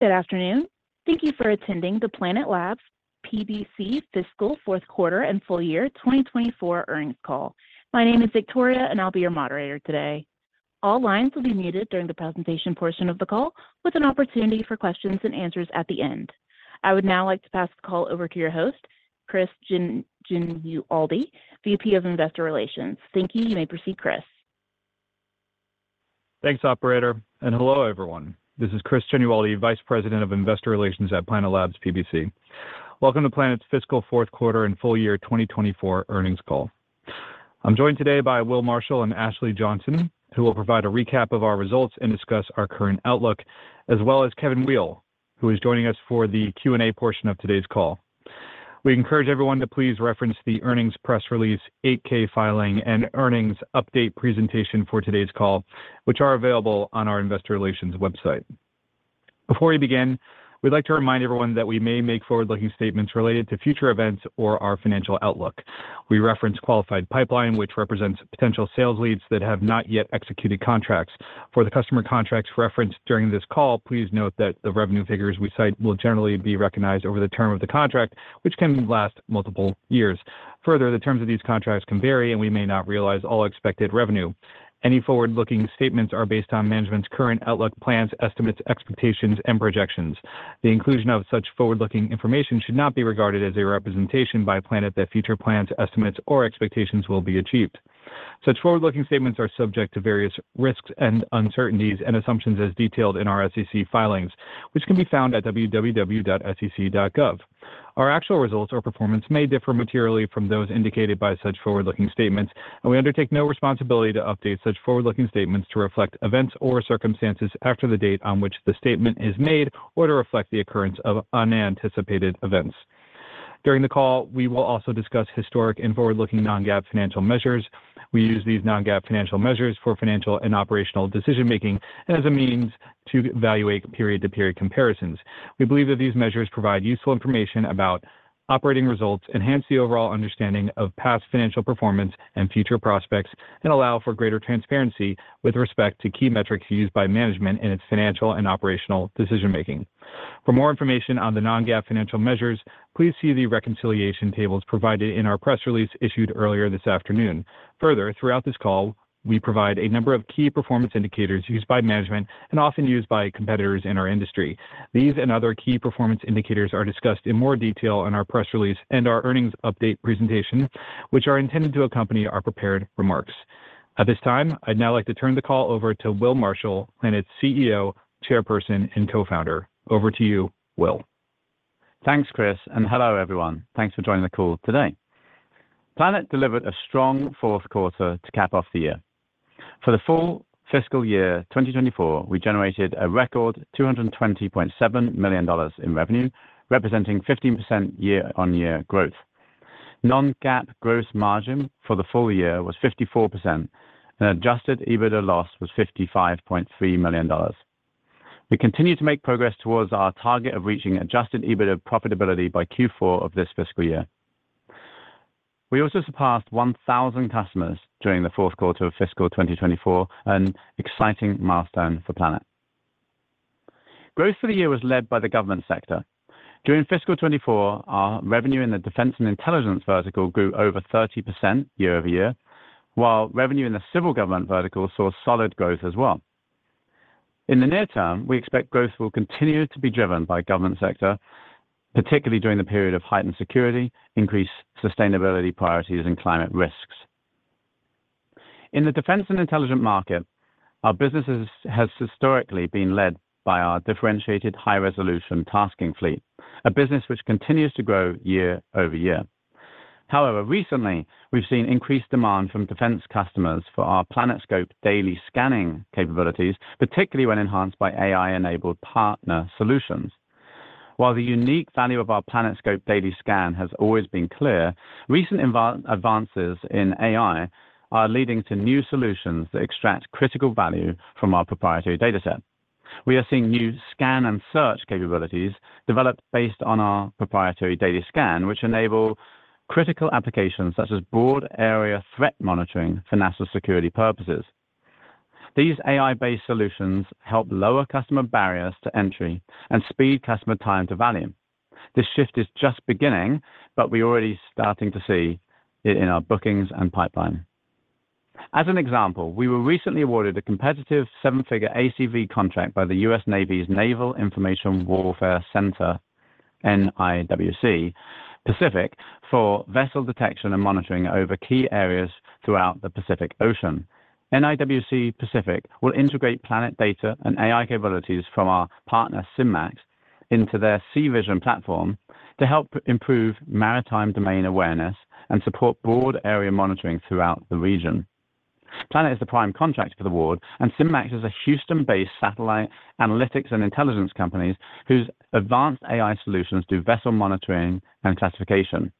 Good afternoon. Thank you for attending the Planet Labs PBC fiscal fourth quarter and full year 2024 earnings call. My name is Victoria, and I'll be your moderator today. All lines will be muted during the presentation portion of the call, with an opportunity for questions and answers at the end. I would now like to pass the call over to your host, Chris Genualdi, VP of Investor Relations. Thank you. You may proceed, Chris. Thanks, operator, and hello, everyone. This is Chris Genualdi, Vice President of Investor Relations at Planet Labs PBC. Welcome to Planet's fiscal fourth quarter and full year 2024 earnings call. I'm joined today by Will Marshall and Ashley Johnson, who will provide a recap of our results and discuss our current outlook, as well as Kevin Weil, who is joining us for the Q&A portion of today's call. We encourage everyone to please reference the earnings press release, 8-K filing, and earnings update presentation for today's call, which are available on our investor relations website. Before we begin, we'd like to remind everyone that we may make forward-looking statements related to future events or our financial outlook. We reference qualified pipeline, which represents potential sales leads that have not yet executed contracts. For the customer contracts referenced during this call, please note that the revenue figures we cite will generally be recognized over the term of the contract, which can last multiple years. Further, the terms of these contracts can vary, and we may not realize all expected revenue. Any forward-looking statements are based on management's current outlook, plans, estimates, expectations and projections. The inclusion of such forward-looking information should not be regarded as a representation by Planet that future plans, estimates or expectations will be achieved. Such forward-looking statements are subject to various risks and uncertainties and assumptions as detailed in our SEC filings, which can be found at www.sec.gov. Our actual results or performance may differ materially from those indicated by such forward-looking statements, and we undertake no responsibility to update such forward-looking statements to reflect events or circumstances after the date on which the statement is made or to reflect the occurrence of unanticipated events. During the call, we will also discuss historic and forward-looking non-GAAP financial measures. We use these non-GAAP financial measures for financial and operational decision-making and as a means to evaluate period-to-period comparisons. We believe that these measures provide useful information about operating results, enhance the overall understanding of past financial performance and future prospects, and allow for greater transparency with respect to key metrics used by management in its financial and operational decision-making. For more information on the non-GAAP financial measures, please see the reconciliation tables provided in our press release issued earlier this afternoon. Further, throughout this call, we provide a number of key performance indicators used by management and often used by competitors in our industry. These and other key performance indicators are discussed in more detail in our press release and our earnings update presentation, which are intended to accompany our prepared remarks. At this time, I'd now like to turn the call over to Will Marshall, Planet's CEO, Chairperson, and Co-founder. Over to you, Will. Thanks, Chris, and hello, everyone. Thanks for joining the call today. Planet delivered a strong fourth quarter to cap off the year. For the full fiscal year 2024, we generated a record $220.7 million in revenue, representing 15% year-on-year growth. Non-GAAP gross margin for the full year was 54%, and adjusted EBITDA loss was $55.3 million. We continue to make progress towards our target of reaching adjusted EBITDA profitability by Q4 of this fiscal year. We also surpassed 1,000 customers during the fourth quarter of fiscal 2024, an exciting milestone for Planet. Growth for the year was led by the government sector. During fiscal 2024, our revenue in the defense and intelligence vertical grew over 30% year-over-year, while revenue in the civil government vertical saw solid growth as well. In the near term, we expect growth will continue to be driven by government sector, particularly during the period of heightened security, increased sustainability priorities and climate risks. In the defense and intelligence market, our businesses has historically been led by our differentiated high-resolution tasking fleet, a business which continues to grow year-over-year. However, recently, we've seen increased demand from defense customers for our PlanetScope daily scanning capabilities, particularly when enhanced by AI-enabled partner solutions. While the unique value of our PlanetScope daily scan has always been clear, recent advances in AI are leading to new solutions that extract critical value from our proprietary dataset. We are seeing new scan and search capabilities developed based on our proprietary daily scan, which enable critical applications such as broad area threat monitoring for national security purposes. These AI-based solutions help lower customer barriers to entry and speed customer time to value. This shift is just beginning, but we're already starting to see it in our bookings and pipeline. As an example, we were recently awarded a competitive seven-figure ACV contract by the US Navy's Naval Information Warfare Center Pacific, NIWC Pacific, for vessel detection and monitoring over key areas throughout the Pacific Ocean. NIWC Pacific will integrate Planet data and AI capabilities from our partner, SynMax, into their SeaVision platform to help improve maritime domain awareness and support broad area monitoring throughout the region. Planet is the prime contractor for the award, and SynMax is a Houston-based satellite analytics and intelligence company whose advanced AI solutions do vessel monitoring and classification.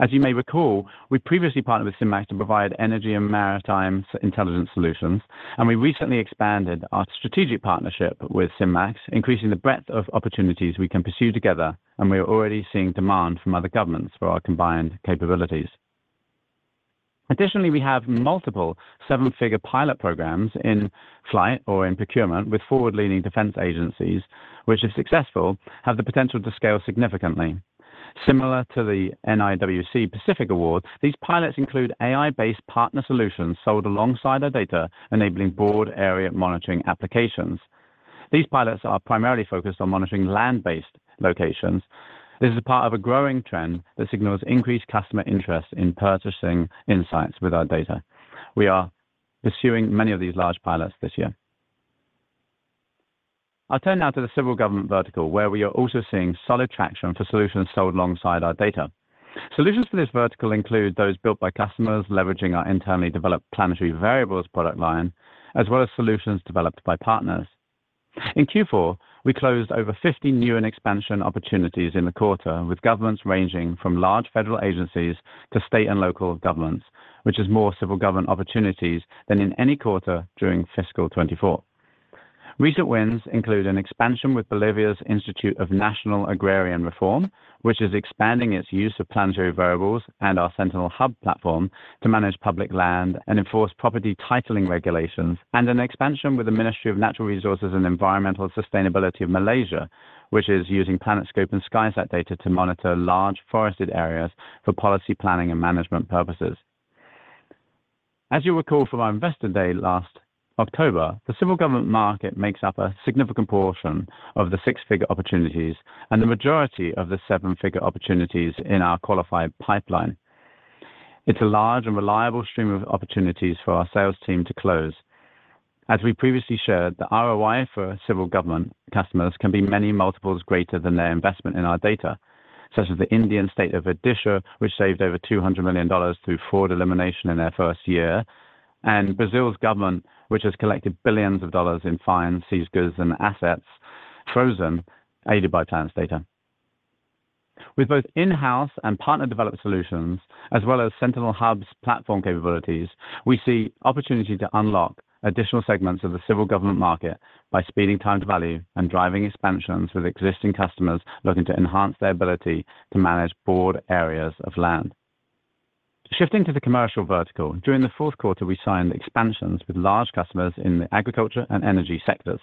As you may recall, we previously partnered with SynMax to provide energy and maritime intelligence solutions, and we recently expanded our strategic partnership with SynMax, increasing the breadth of opportunities we can pursue together, and we are already seeing demand from other governments for our combined capabilities. Additionally, we have multiple seven-figure pilot programs in flight or in procurement with forward-leaning defense agencies, which, if successful, have the potential to scale significantly. Similar to the NIWC Pacific award, these pilots include AI-based partner solutions sold alongside our data, enabling broad area monitoring applications. These pilots are primarily focused on monitoring land-based locations. This is a part of a growing trend that signals increased customer interest in purchasing insights with our data. We are pursuing many of these large pilots this year. I'll turn now to the civil government vertical, where we are also seeing solid traction for solutions sold alongside our data. Solutions for this vertical include those built by customers, leveraging our internally developed Planetary Variables product line, as well as solutions developed by partners. In Q4, we closed over 50 new and expansion opportunities in the quarter, with governments ranging from large federal agencies to state and local governments, which is more civil government opportunities than in any quarter during fiscal 2024. Recent wins include an expansion with Bolivia's Institute of National Agrarian Reform, which is expanding its use of Planetary Variables and our Sentinel Hub platform to manage public land and enforce property titling regulations, and an expansion with the Ministry of Natural Resources and Environmental Sustainability of Malaysia, which is using PlanetScope and SkySat data to monitor large forested areas for policy planning and management purposes. As you'll recall from our Investor Day last October, the civil government market makes up a significant portion of the six-figure opportunities and the majority of the seven-figure opportunities in our qualified pipeline. It's a large and reliable stream of opportunities for our sales team to close. As we previously shared, the ROI for civil government customers can be many multiples greater than their investment in our data, such as the Indian state of Odisha, which saved over $200 million through fraud elimination in their first year, and Brazil's government, which has collected $ billions in fines, seized goods, and assets frozen, aided by Planet's data. With both in-house and partner-developed solutions, as well as Sentinel Hub's platform capabilities, we see opportunity to unlock additional segments of the civil government market by speeding time to value and driving expansions with existing customers looking to enhance their ability to manage broad areas of land. Shifting to the commercial vertical, during the fourth quarter, we signed expansions with large customers in the agriculture and energy sectors.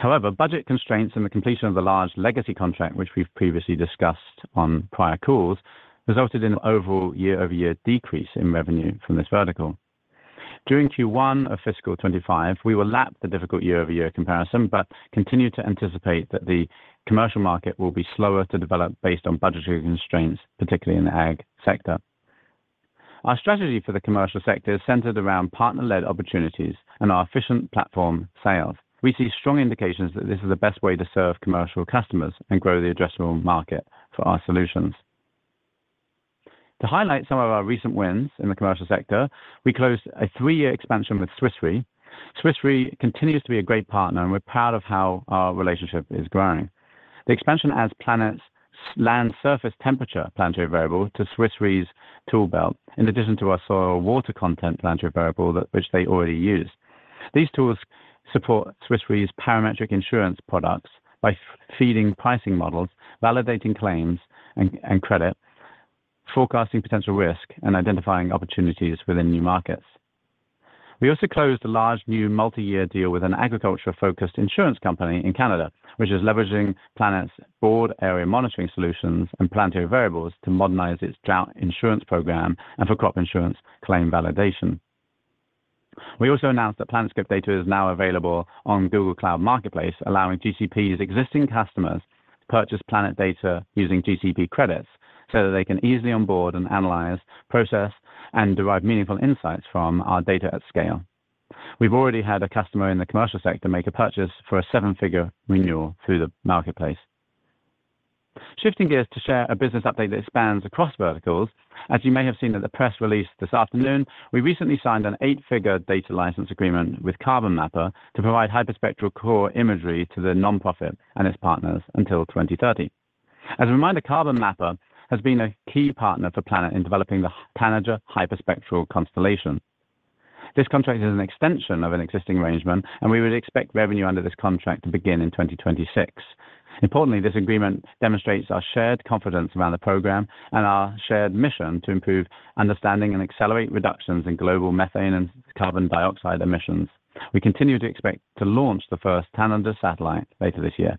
However, budget constraints and the completion of the large legacy contract, which we've previously discussed on prior calls, resulted in overall year-over-year decrease in revenue from this vertical. During Q1 of fiscal 25, we will lap the difficult year-over-year comparison, but continue to anticipate that the commercial market will be slower to develop based on budgetary constraints, particularly in the ag sector. Our strategy for the commercial sector is centered around partner-led opportunities and our efficient platform sales. We see strong indications that this is the best way to serve commercial customers and grow the addressable market for our solutions. To highlight some of our recent wins in the commercial sector, we closed a 3-year expansion with Swiss Re. Swiss Re continues to be a great partner, and we're proud of how our relationship Land Surface Temperature Planetary Variable to swiss re's tool belt, in addition to our Soil Water Content Planetary Variable that which they already use. These tools support Swiss Re's parametric insurance products by feeding pricing models, validating claims and credit, forecasting potential risk, and identifying opportunities within new markets. We also closed a large, new multi-year deal with an agriculture-focused insurance company in Canada, which is leveraging Planet's broad area monitoring solutions and planetary variables to modernize its drought insurance program and for crop insurance claim validation. We also announced that PlanetScope data is now available on Google Cloud Marketplace, allowing GCP's existing customers to purchase Planet data using GCP credits, so that they can easily onboard and analyze, process, and derive meaningful insights from our data at scale. We've already had a customer in the commercial sector make a purchase for a seven-figure renewal through the marketplace. Shifting gears to share a business update that spans across verticals. As you may have seen in the press release this afternoon, we recently signed an eight-figure data license agreement with Carbon Mapper to provide hyperspectral core imagery to the nonprofit and its partners until 2030. As a reminder, Carbon Mapper has been a key partner for Planet in developing the Tanager Hyperspectral Constellation. This contract is an extension of an existing arrangement, and we would expect revenue under this contract to begin in 2026. Importantly, this agreement demonstrates our shared confidence around the program and our shared mission to improve understanding and accelerate reductions in global methane and carbon dioxide emissions. We continue to expect to launch the first Tanager satellite later this year.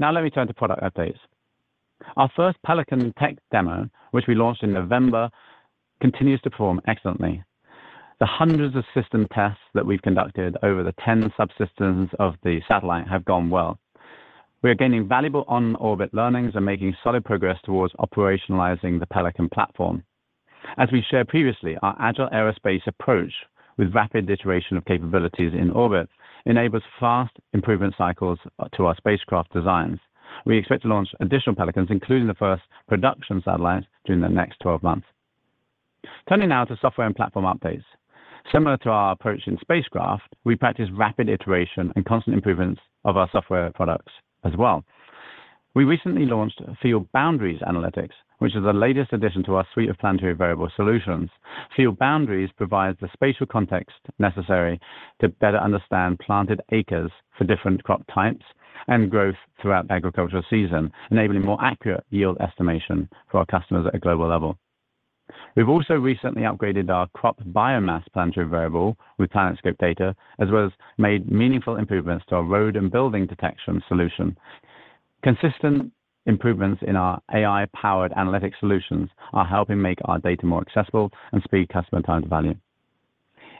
Now let me turn to product updates. Our first Pelican tech demo, which we launched in November, continues to perform excellently. The hundreds of system tests that we've conducted over the 10 subsystems of the satellite have gone well. We are gaining valuable on-orbit learnings and making solid progress towards operationalizing the Pelican platform. As we shared previously, our agile aerospace approach with rapid iteration of capabilities in orbit enables fast improvement cycles to our spacecraft designs. We expect to launch additional Pelicans, including the first production satellites, during the next 12 months. Turning now to software and platform updates. Similar to our approach in spacecraft, we practice rapid iteration and constant improvements of our software products as well. We recently launched Field Boundaries analytics, which is the latest addition to our suite of Planetary Variable solutions.... Field Boundaries provides the spatial context necessary to better understand planted acres for different crop types and growth throughout the agricultural season, enabling more accurate yield estimation for our customers at a global level. We've also recently upgraded our Crop Biomass Planetary Variable with PlanetScope data, as well as made meaningful improvements to our Road and Building Detection solution. Consistent improvements in our AI-powered analytic solutions are helping make our data more accessible and speed customer time to value.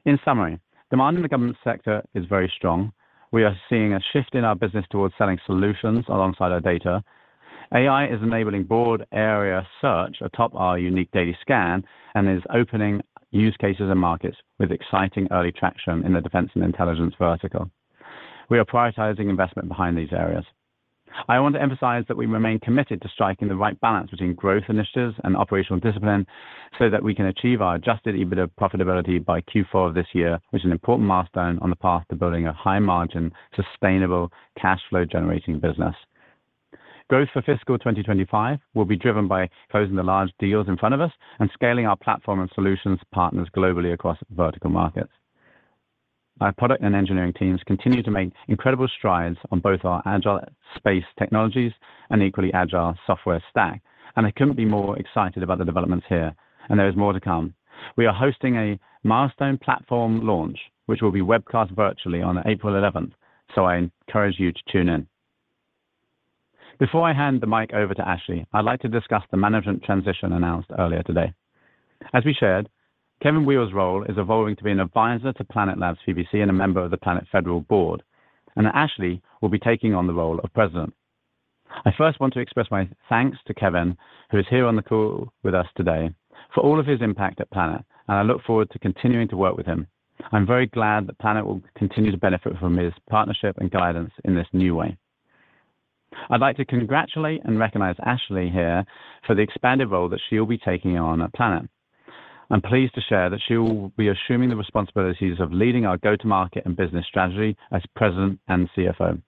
In summary, demand in the government sector is very strong. We are seeing a shift in our business towards selling solutions alongside our data. AI is enabling broad area search atop our unique daily scan and is opening use cases and markets with exciting early traction in the defense and intelligence vertical. We are prioritizing investment behind these areas. I want to emphasize that we remain committed to striking the right balance between growth initiatives and operational discipline so that we can achieve our Adjusted EBITDA profitability by Q4 of this year, which is an important milestone on the path to building a high margin, sustainable cash flow generating business. Growth for fiscal 2025 will be driven by closing the large deals in front of us and scaling our platform and solutions partners globally across vertical markets. Our product and engineering teams continue to make incredible strides on both our agile space technologies and equally agile software stack, and I couldn't be more excited about the developments here, and there is more to come. We are hosting a milestone platform launch, which will be webcast virtually on April 11, so I encourage you to tune in. Before I hand the mic over to Ashley, I'd like to discuss the management transition announced earlier today. As we shared, Kevin Weil's role is evolving to be an advisor to Planet Labs PBC and a member of the Planet Federal Board, and Ashley will be taking on the role of president. I first want to express my thanks to Kevin, who is here on the call with us today, for all of his impact at Planet, and I look forward to continuing to work with him. I'm very glad that Planet will continue to benefit from his partnership and guidance in this new way. I'd like to congratulate and recognize Ashley here for the expanded role that she will be taking on at Planet. I'm pleased to share that she will be assuming the responsibilities of leading our go-to-market and business strategy as President and CFO.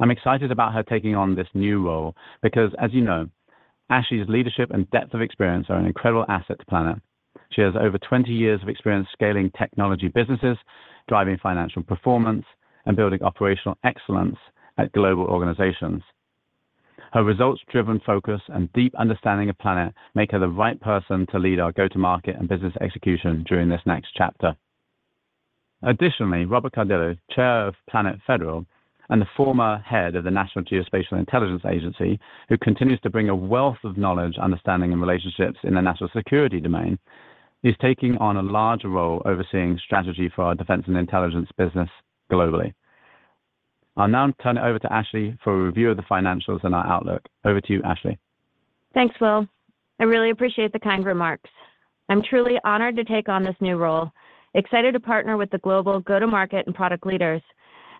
I'm excited about her taking on this new role because, as you know, Ashley's leadership and depth of experience are an incredible asset to Planet. She has over 20 years of experience scaling technology businesses, driving financial performance, and building operational excellence at global organizations. Her results-driven focus and deep understanding of Planet make her the right person to lead our go-to-market and business execution during this next chapter. Additionally, Robert Cardillo, Chair of Planet Federal and the former head of the National Geospatial-Intelligence Agency, who continues to bring a wealth of knowledge, understanding, and relationships in the national security domain, is taking on a larger role overseeing strategy for our defense and intelligence business globally. I'll now turn it over to Ashley for a review of the financials and our outlook. Over to you, Ashley. Thanks, Will. I really appreciate the kind remarks. I'm truly honored to take on this new role, excited to partner with the global go-to-market and product leaders,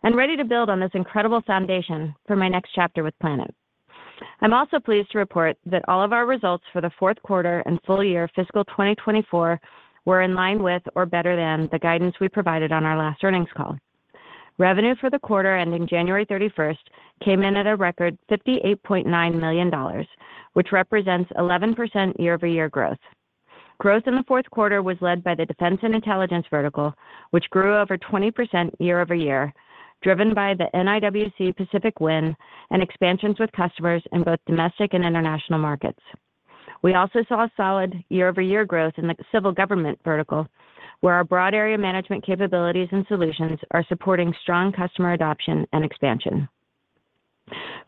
and ready to build on this incredible foundation for my next chapter with Planet. I'm also pleased to report that all of our results for the fourth quarter and full year fiscal 2024 were in line with or better than the guidance we provided on our last earnings call. Revenue for the quarter ending January 31 came in at a record $58.9 million, which represents 11% year-over-year growth. Growth in the fourth quarter was led by the defense and intelligence vertical, which grew over 20% year-over-year, driven by the NIWC Pacific win and expansions with customers in both domestic and international markets. We also saw a solid year-over-year growth in the civil government vertical, where our broad area management capabilities and solutions are supporting strong customer adoption and expansion.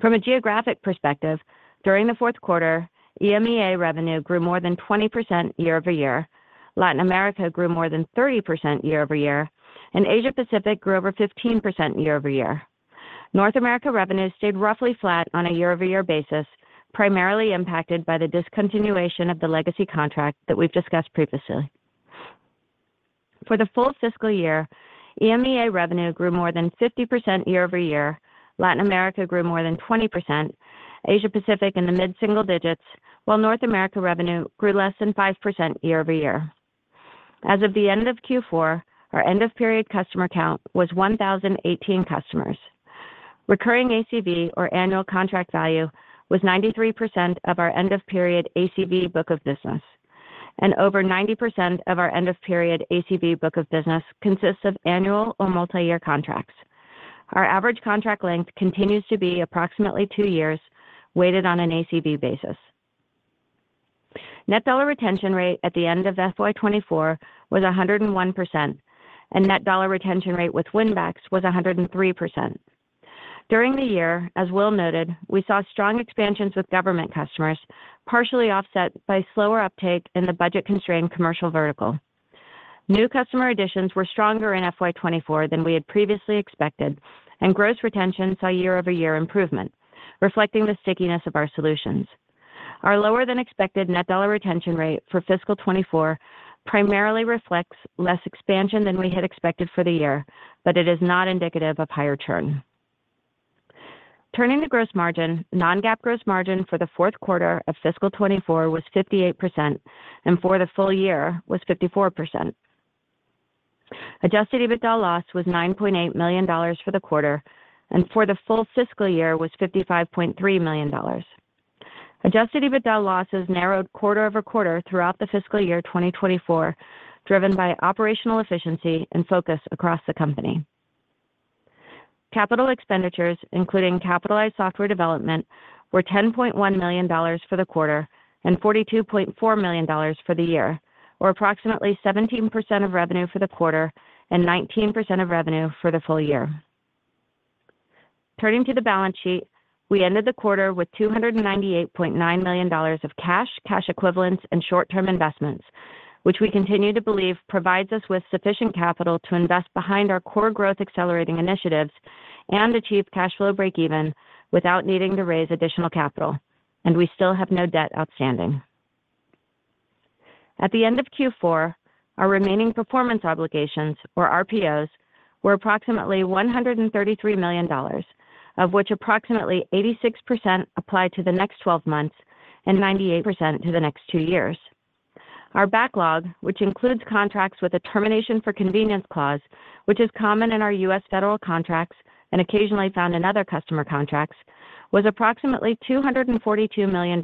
From a geographic perspective, during the fourth quarter, EMEA revenue grew more than 20% year-over-year, Latin America grew more than 30% year-over-year, and Asia Pacific grew over 15% year-over-year. North America revenue stayed roughly flat on a year-over-year basis, primarily impacted by the discontinuation of the legacy contract that we've discussed previously. For the full fiscal year, EMEA revenue grew more than 50% year-over-year, Latin America grew more than 20%, Asia Pacific in the mid-single digits, while North America revenue grew less than 5% year-over-year. As of the end of Q4, our end-of-period customer count was 1,018 customers. Recurring ACV or annual contract value was 93% of our end-of-period ACV book of business, and over 90% of our end-of-period ACV book of business consists of annual or multi-year contracts. Our average contract length continues to be approximately 2 years, weighted on an ACV basis. Net Dollar Retention rate at the end of FY 2024 was 101%, and Net Dollar Retention rate with win backs was 103%. During the year, as Will noted, we saw strong expansions with government customers, partially offset by slower uptake in the budget-constrained commercial vertical. New customer additions were stronger in FY 2024 than we had previously expected, and gross retention saw year-over-year improvement, reflecting the stickiness of our solutions. Our lower-than-expected net dollar retention rate for fiscal 2024 primarily reflects less expansion than we had expected for the year, but it is not indicative of higher churn. Turning to gross margin, non-GAAP gross margin for the fourth quarter of fiscal 2024 was 58% and for the full year was 54%. Adjusted EBITDA loss was $9.8 million for the quarter, and for the full fiscal year was $55.3 million. Adjusted EBITDA losses narrowed quarter-over-quarter throughout the fiscal year 2024, driven by operational efficiency and focus across the company. Capital expenditures, including capitalized software development, were $10.1 million for the quarter and $42.4 million for the year, or approximately 17% of revenue for the quarter and 19% of revenue for the full year. Turning to the balance sheet, we ended the quarter with $298.9 million of cash, cash equivalents, and short-term investments, which we continue to believe provides us with sufficient capital to invest behind our core growth accelerating initiatives and achieve cash flow breakeven without needing to raise additional capital, and we still have no debt outstanding. At the end of Q4, our remaining performance obligations, or RPOs, were approximately $133 million, of which approximately 86% apply to the next twelve months and 98% to the next two years. Our backlog, which includes contracts with a termination for convenience clause, which is common in our US federal contracts and occasionally found in other customer contracts, was approximately $242 million,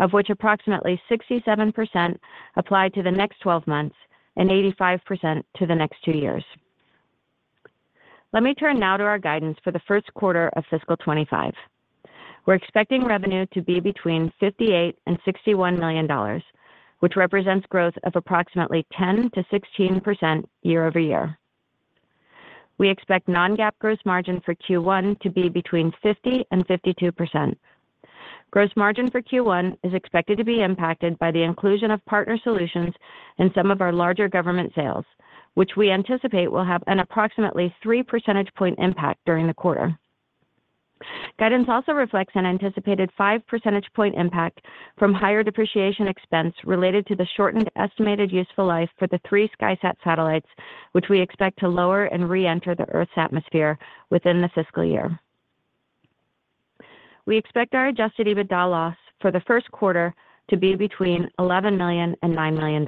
of which approximately 67% applied to the next 12 months and 85% to the next 2 years. Let me turn now to our guidance for the first quarter of fiscal 2025. We're expecting revenue to be between $58 million and $61 million, which represents growth of approximately 10%-16% year-over-year. We expect non-GAAP gross margin for Q1 to be between 50% and 52%. Gross margin for Q1 is expected to be impacted by the inclusion of partner solutions in some of our larger government sales, which we anticipate will have an approximately three percentage point impact during the quarter. Guidance also reflects an anticipated 5 percentage point impact from higher depreciation expense related to the shortened estimated useful life for the three SkySat satellites, which we expect to lower and reenter the Earth's atmosphere within the fiscal year. We expect our adjusted EBITDA loss for the first quarter to be between $11 million and $9 million.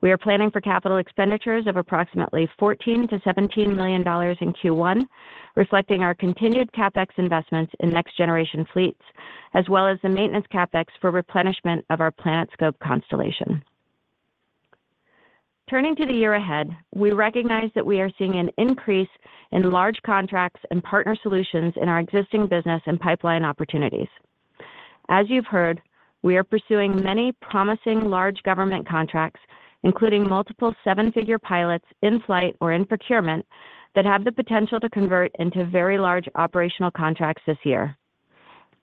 We are planning for capital expenditures of approximately $14 million-$17 million in Q1, reflecting our continued CapEx investments in next-generation fleets, as well as the maintenance CapEx for replenishment of our PlanetScope constellation. Turning to the year ahead, we recognize that we are seeing an increase in large contracts and partner solutions in our existing business and pipeline opportunities. As you've heard, we are pursuing many promising large government contracts, including multiple seven-figure pilots in flight or in procurement, that have the potential to convert into very large operational contracts this year.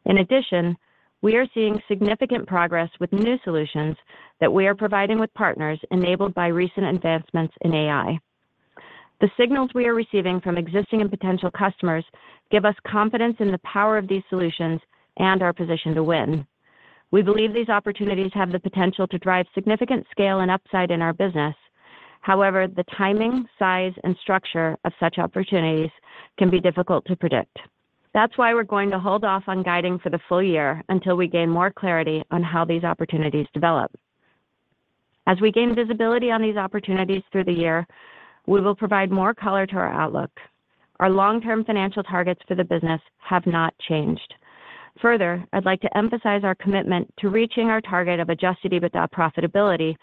In addition, we are seeing significant progress with new solutions that we are providing with partners enabled by recent advancements in AI. The signals we are receiving from existing and potential customers give us confidence in the power of these solutions and our position to win. We believe these opportunities have the potential to drive significant scale and upside in our business. However, the timing, size, and structure of such opportunities can be difficult to predict. That's why we're going to hold off on guiding for the full year until we gain more clarity on how these opportunities develop. As we gain visibility on these opportunities through the year, we will provide more color to our outlook. Our long-term financial targets for the business have not changed. Further, I'd like to emphasize our commitment to reaching our target of Adjusted EBITDA profitability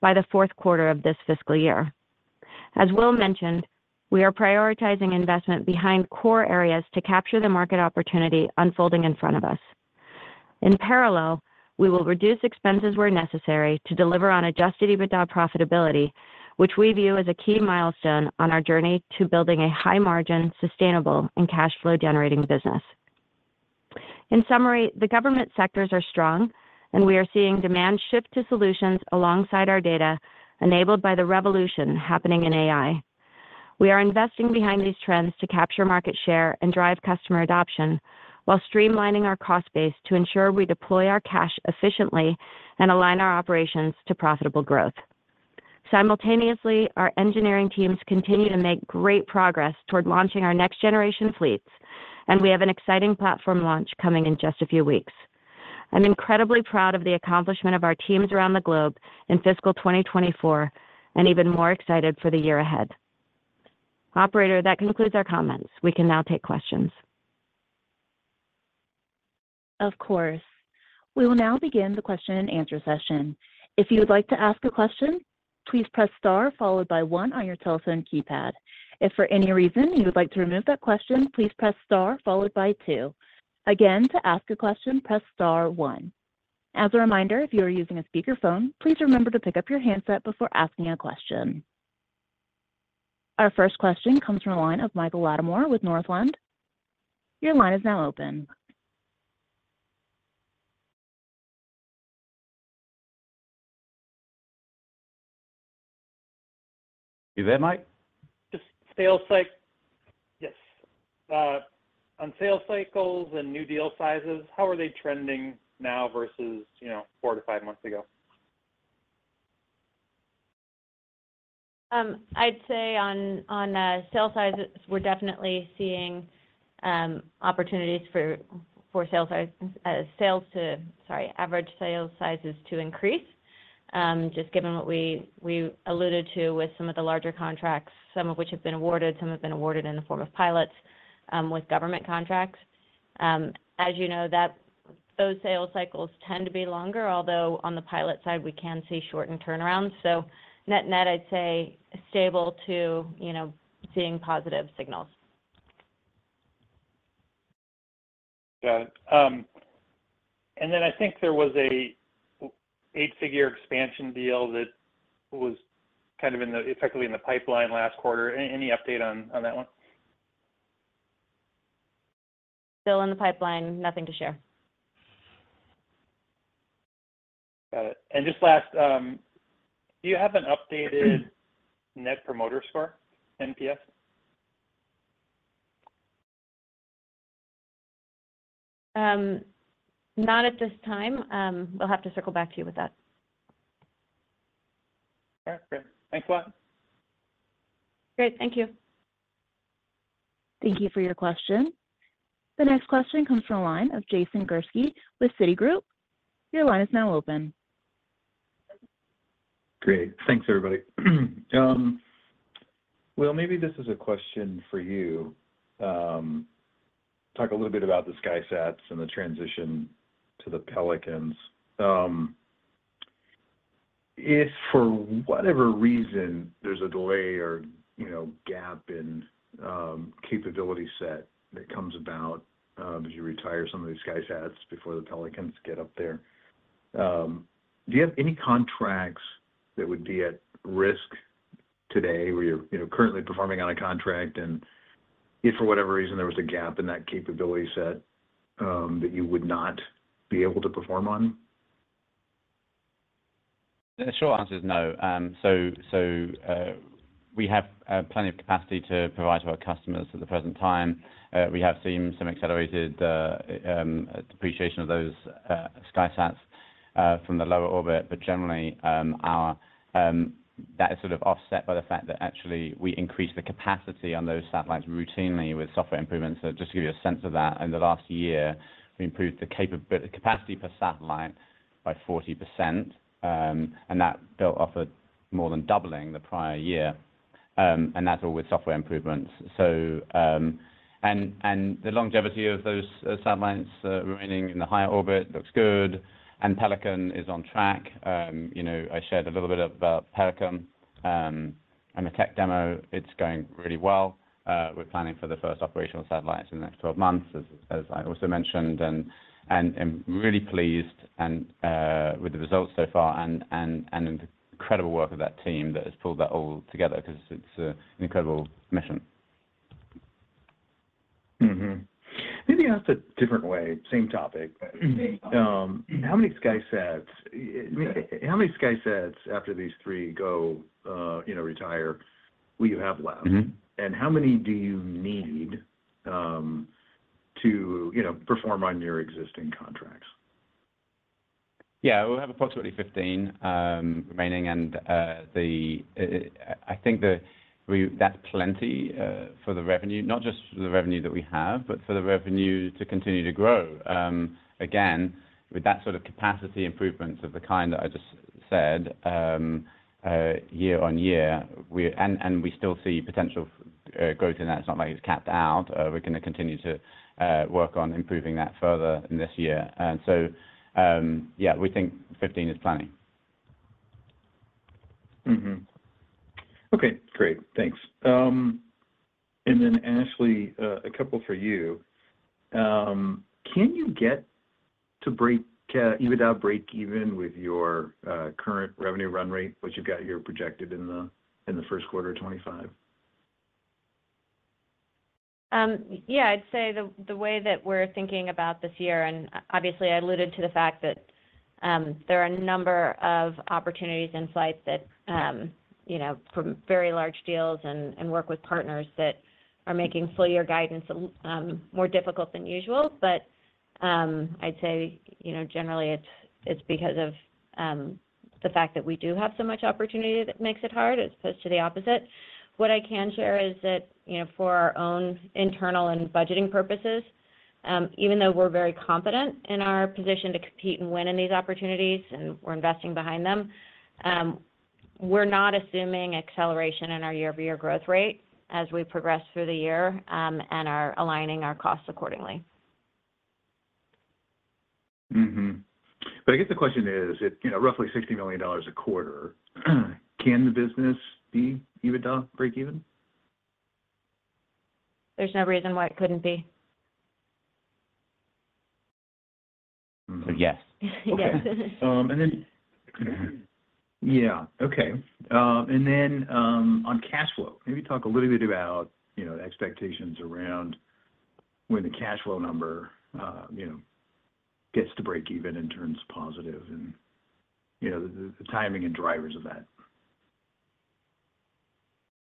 by the fourth quarter of this fiscal year. As Will mentioned, we are prioritizing investment behind core areas to capture the market opportunity unfolding in front of us. In parallel, we will reduce expenses where necessary to deliver on Adjusted EBITDA profitability, which we view as a key milestone on our journey to building a high-margin, sustainable, and cash flow-generating business. In summary, the government sectors are strong, and we are seeing demand shift to solutions alongside our data, enabled by the revolution happening in AI. We are investing behind these trends to capture market share and drive customer adoption while streamlining our cost base to ensure we deploy our cash efficiently and align our operations to profitable growth. Simultaneously, our engineering teams continue to make great progress toward launching our next-generation fleets, and we have an exciting platform launch coming in just a few weeks. I'm incredibly proud of the accomplishment of our teams around the globe in fiscal 2024 and even more excited for the year ahead. Operator, that concludes our comments. We can now take questions. Of course. We will now begin the question-and-answer session. If you would like to ask a question, please press star followed by one on your telephone keypad. If for any reason you would like to remove that question, please press star followed by two. Again, to ask a question, press star one. As a reminder, if you are using a speakerphone, please remember to pick up your handset before asking a question. Our first question comes from the line of Mike Latimore with Northland Capital Markets. Your line is now open. You there, Mike? Just sales cycle. Yes. On sales cycles and new deal sizes, how are they trending now versus, you know, 4-5 months ago? I'd say on sales sizes, we're definitely seeing opportunities for average sales sizes to increase. Sorry. Just given what we alluded to with some of the larger contracts, some of which have been awarded, some have been awarded in the form of pilots with government contracts. As you know, those sales cycles tend to be longer, although on the pilot side, we can see shortened turnarounds. So net-net, I'd say stable to, you know, seeing positive signals. Got it. And then I think there was an eight-figure expansion deal that was kind of in the, effectively in the pipeline last quarter. Any update on that one? Still in the pipeline. Nothing to share. Got it. And just last, do you have an updated Net Promoter Score, NPS? Not at this time. We'll have to circle back to you with that. Okay. Great. Thanks a lot. Great. Thank you. Thank you for your question. The next question comes from the line of Jason Gursky with Citigroup. Your line is now open. Great. Thanks, everybody. Will, maybe this is a question for you. Talk a little bit about the SkySats and the transition to the Pelicans. If for whatever reason, there's a delay or, you know, gap in capability set that comes about, as you retire some of these SkySats before the Pelicans get up there, do you have any contracts that would be at risk today, where you're, you know, currently performing on a contract, and if for whatever reason, there was a gap in that capability set, that you would not be able to perform on? The short answer is no. So, we have plenty of capacity to provide to our customers at the present time. We have seen some accelerated depreciation of those SkySats from the lower orbit, but generally, that is sort of offset by the fact that actually we increase the capacity on those satellites routinely with software improvements. So just to give you a sense of that, in the last year, we improved the capacity per satellite by 40%, and that built off of more than doubling the prior year, and that's all with software improvements. So, the longevity of those satellites remaining in the higher orbit looks good, and Pelican is on track. You know, I shared a little bit about Pelican and the tech demo. It's going really well. We're planning for the first operational satellites in the next 12 months, as I also mentioned, and I'm really pleased and with the results so far and the incredible work of that team that has pulled that all together because it's an incredible mission. Mm-hmm. Let me ask a different way, same topic. How many SkySats, how many SkySats after these 3 go, you know, retire, will you have left? Mm-hmm. How many do you need, to, you know, perform on your existing contracts? Yeah, we'll have approximately 15 remaining, and the, I think that's plenty for the revenue, not just for the revenue that we have, but for the revenue to continue to grow. Again, with that sort of capacity improvements of the kind that I just said, year on year, we... And we still see potential growth in that. It's not like it's capped out. We're gonna continue to work on improving that further in this year. And so, yeah, we think 15 is plenty. Mm-hmm. Okay, great. Thanks. And then, Ashley, a couple for you. Can you get to break-even EBITDA with your current revenue run rate, which you've got here projected in the first quarter of 2025? Yeah, I'd say the way that we're thinking about this year, and obviously, I alluded to the fact that there are a number of opportunities in flights that, you know, from very large deals and work with partners that are making full year guidance more difficult than usual. But I'd say, you know, generally, it's because of the fact that we do have so much opportunity that makes it hard as opposed to the opposite. What I can share is that, you know, for our own internal and budgeting purposes, even though we're very confident in our position to compete and win in these opportunities, and we're investing behind them, we're not assuming acceleration in our year-over-year growth rate as we progress through the year, and are aligning our costs accordingly. Mm-hmm. But I guess the question is, if, you know, roughly $60 million a quarter, can the business be EBITDA break even? There's no reason why it couldn't be. So yes. Yes. Okay. And then, on cash flow, maybe talk a little bit about, you know, the expectations around when the cash flow number, you know, gets to break even and turns positive and, you know, the timing and drivers of that.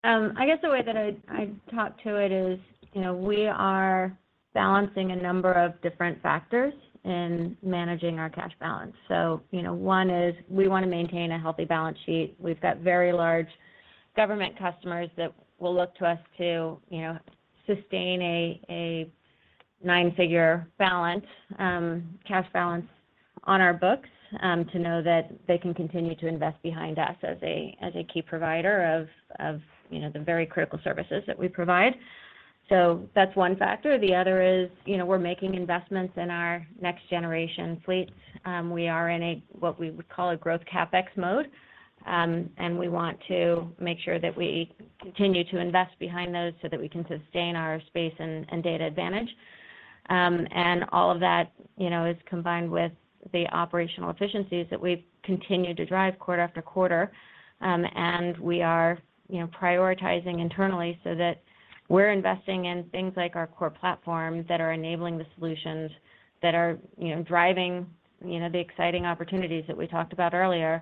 I guess the way that I, I'd talk to it is, you know, we are balancing a number of different factors in managing our cash balance. So, you know, one is, we wanna maintain a healthy balance sheet. We've got very large government customers that will look to us to, you know, sustain a nine-figure balance, cash balance on our books, to know that they can continue to invest behind us as a, as a key provider of, of, you know, the very critical services that we provide. So that's one factor. The other is, you know, we're making investments in our next generation fleet. We are in a, what we would call a growth CapEx mode. And we want to make sure that we continue to invest behind those so that we can sustain our space and data advantage. And all of that, you know, is combined with the operational efficiencies that we've continued to drive quarter after quarter. And we are, you know, prioritizing internally so that we're investing in things like our core platform that are enabling the solutions that are, you know, driving, you know, the exciting opportunities that we talked about earlier,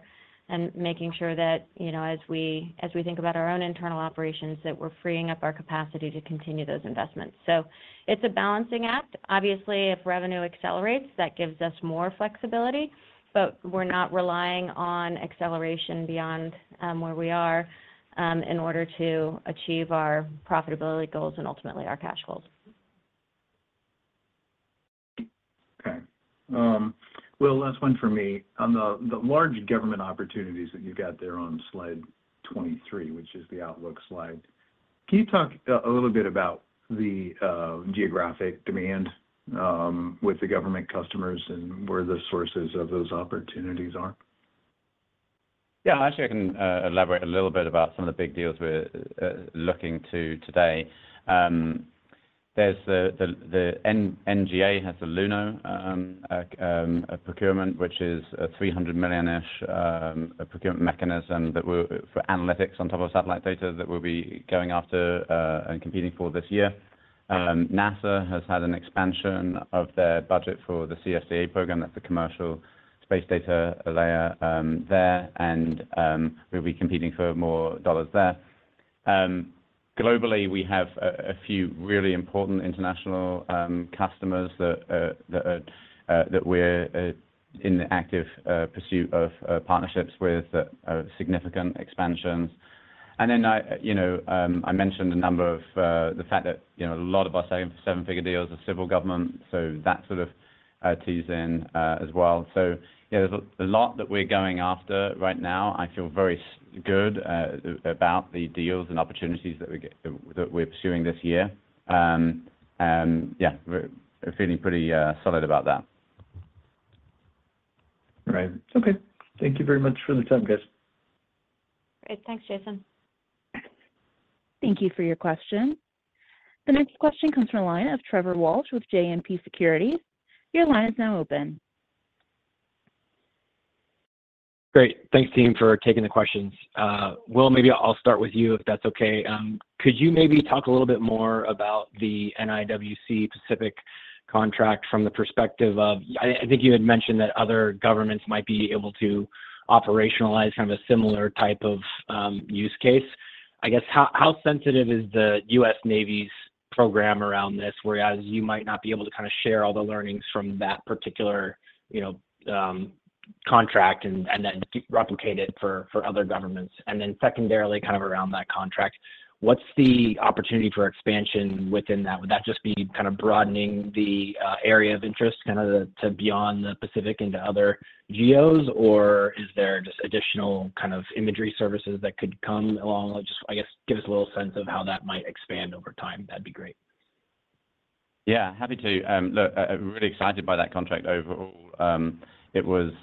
and making sure that, you know, as we, as we think about our own internal operations, that we're freeing up our capacity to continue those investments. So it's a balancing act. Obviously, if revenue accelerates, that gives us more flexibility, but we're not relying on acceleration beyond where we are in order to achieve our profitability goals and ultimately our cash goals. Okay. Will, last one for me. On the large government opportunities that you've got there on slide 23, which is the outlook slide, can you talk a little bit about the geographic demand with the government customers and where the sources of those opportunities are? Yeah, actually, I can elaborate a little bit about some of the big deals we're looking to today. There's the NGA has the Luno A procurement, which is a $300 million-ish procurement mechanism that we're for analytics on top of satellite data that we'll be going after and competing for this year. NASA has had an expansion of their budget for the CSDA program. That's a commercial space data layer there, and we'll be competing for more dollars there. Globally, we have a few really important international customers that we're in the active pursuit of partnerships with, significant expansions. And then I, you know, I mentioned a number of the fact that, you know, a lot of our seven-figure deals are civil government, so that sort of ties in as well. So, yeah, there's a lot that we're going after right now. I feel very good about the deals and opportunities that we're pursuing this year. And yeah, we're feeling pretty solid about that. Right. Okay. Thank you very much for the time, guys. Great. Thanks, Jason. Thank you for your question. The next question comes from line of Trevor Walsh with JMP Securities. Your line is now open. Great. Thanks, team, for taking the questions. Will, maybe I'll start with you, if that's okay. Could you maybe talk a little bit more about the NIWC Pacific contract from the perspective of... I, I think you had mentioned that other governments might be able to operationalize kind of a similar type of use case. I guess, how, how sensitive is the US Navy's program around this, whereas you might not be able to kinda share all the learnings from that particular contract and then replicate it for other governments? And then secondarily, kind of around that contract, what's the opportunity for expansion within that? Would that just be kind of broadening the area of interest kinda to beyond the Pacific into other geos? Or is there just additional kind of imagery services that could come along? Just, I guess, give us a little sense of how that might expand over time. That'd be great. Yeah, happy to. Look, I, I'm really excited by that contract overall. You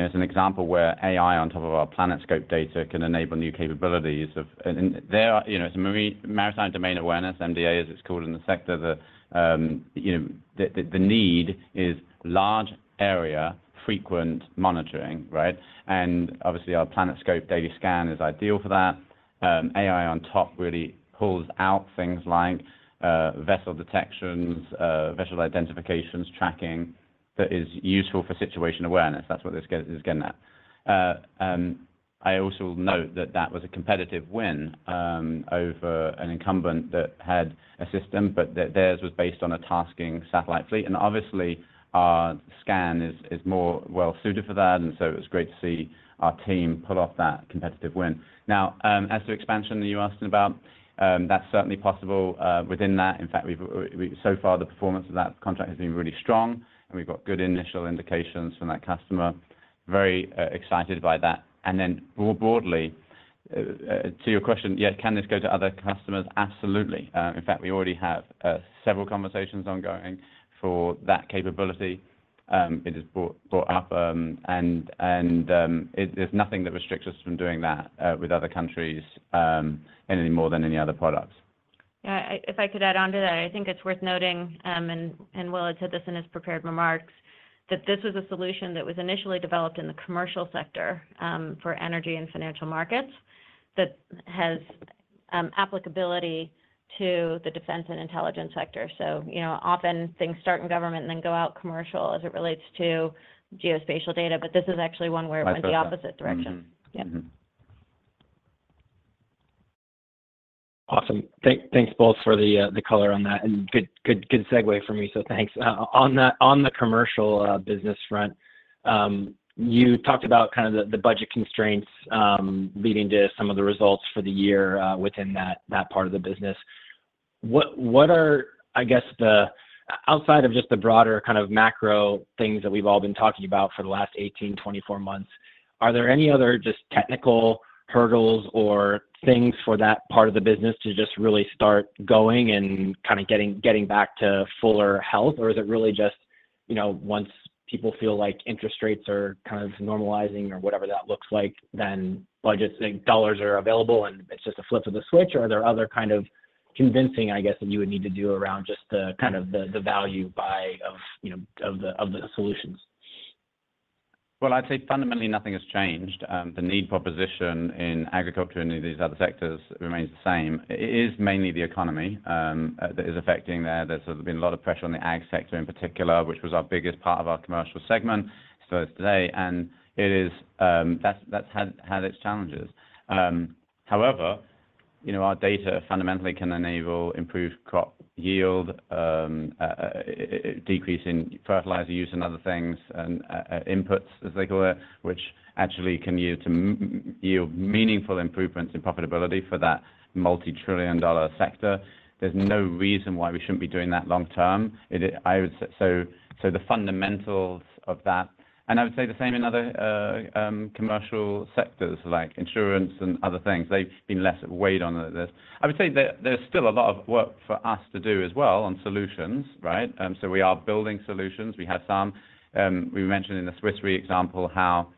know, it's an example where AI on top of our PlanetScope data can enable new capabilities of and, and there are, you know, it's a Maritime Domain Awareness, MDA, as it's called in the sector, the, you know, the, the, the need is large area, frequent monitoring, right? And obviously, our PlanetScope daily scan is ideal for that. AI on top really pulls out things like, vessel detections, vessel identifications, tracking, that is useful for situation awareness. That's what this gets, this is getting at. And I also note that that was a competitive win, over an incumbent that had a system, but their, theirs was based on a tasking satellite fleet. And obviously, our scan is more well suited for that, and so it was great to see our team pull off that competitive win. Now, as to expansion that you asking about, that's certainly possible within that. In fact, we've so far, the performance of that contract has been really strong, and we've got good initial indications from that customer. Very excited by that. And then more broadly, to your question, yeah, can this go to other customers? Absolutely. In fact, we already have several conversations ongoing for that capability. It is brought up, and there's nothing that restricts us from doing that with other countries any more than any other products. Yeah, if I could add on to that, I think it's worth noting, and Will had said this in his prepared remarks, that this was a solution that was initially developed in the commercial sector, for energy and financial markets, that has applicability to the defense and intelligence sector. So, you know, often things start in government and then go out commercial as it relates to geospatial data, but this is actually one where it went the opposite direction. Mm-hmm. Yeah. Mm-hmm. Awesome. Thanks both for the color on that, and good segue for me, so thanks. On the commercial business front, you talked about kind of the budget constraints leading to some of the results for the year within that part of the business... What are, I guess, outside of just the broader kind of macro things that we've all been talking about for the last 18-24 months, are there any other just technical hurdles or things for that part of the business to just really start going and kind of getting back to fuller health? Or is it really just, you know, once people feel like interest rates are kind of normalizing or whatever that looks like, then budgets and dollars are available, and it's just a flip of the switch? Or are there other kind of convincing, I guess, that you would need to do around just the kind of the value of, you know, the solutions? Well, I'd say fundamentally, nothing has changed. The need for position in agriculture and these other sectors remains the same. It is mainly the economy that is affecting that. There's sort of been a lot of pressure on the ag sector in particular, which was our biggest part of our commercial segment, so it's today, and it is, that's had its challenges. However, you know, our data fundamentally can enable improved crop yield, decrease in fertilizer use and other things, and inputs, as they call it, which actually can yield meaningful improvements in profitability for that multi-trillion dollar sector. There's no reason why we shouldn't be doing that long term. It is—I would say—so, so the fundamentals of that, and I would say the same in other commercial sectors like insurance and other things. They've been less of a weight on this. I would say there, there's still a lot of work for us to do as well on solutions, right? So we are building solutions. We have some. We mentioned in the Swiss Re example, how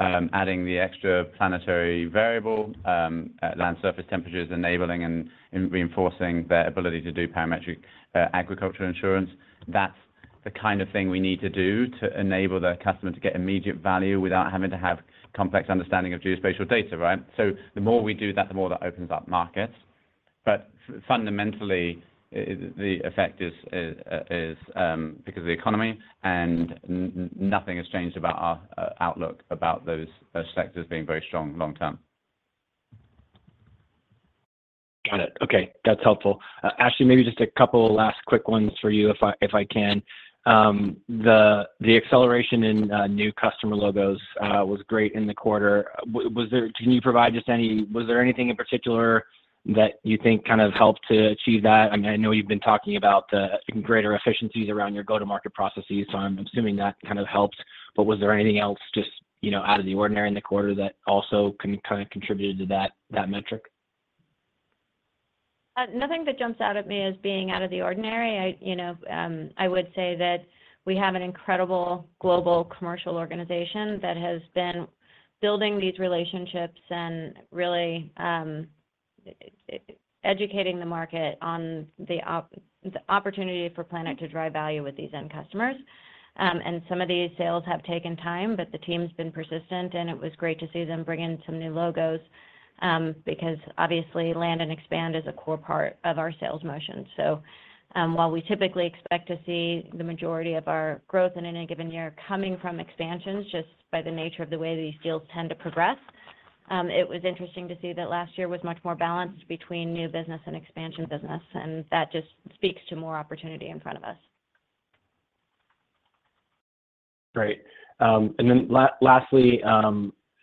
adding the extra Planetary Land Surface Temperatures, enabling and reinforcing their ability to do parametric agricultural insurance, that's the kind of thing we need to do to enable the customer to get immediate value without having to have complex understanding of geospatial data, right? So the more we do that, the more that opens up markets. But fundamentally, the effect is because of the economy, and nothing has changed about our outlook about those sectors being very strong long term. Got it. Okay, that's helpful. Ashley, maybe just a couple of last quick ones for you, if I can. The acceleration in new customer logos was great in the quarter. Was there anything in particular that you think kind of helped to achieve that? I mean, I know you've been talking about the greater efficiencies around your go-to-market processes, so I'm assuming that kind of helps. But was there anything else just, you know, out of the ordinary in the quarter that also kind of contributed to that metric? Nothing that jumps out at me as being out of the ordinary. I, you know, I would say that we have an incredible global commercial organization that has been building these relationships and really educating the market on the opportunity for Planet to drive value with these end customers. And some of these sales have taken time, but the team's been persistent, and it was great to see them bring in some new logos, because obviously, land and expand is a core part of our sales motion. While we typically expect to see the majority of our growth in any given year coming from expansions, just by the nature of the way these deals tend to progress, it was interesting to see that last year was much more balanced between new business and expansion business, and that just speaks to more opportunity in front of us. Great. And then lastly,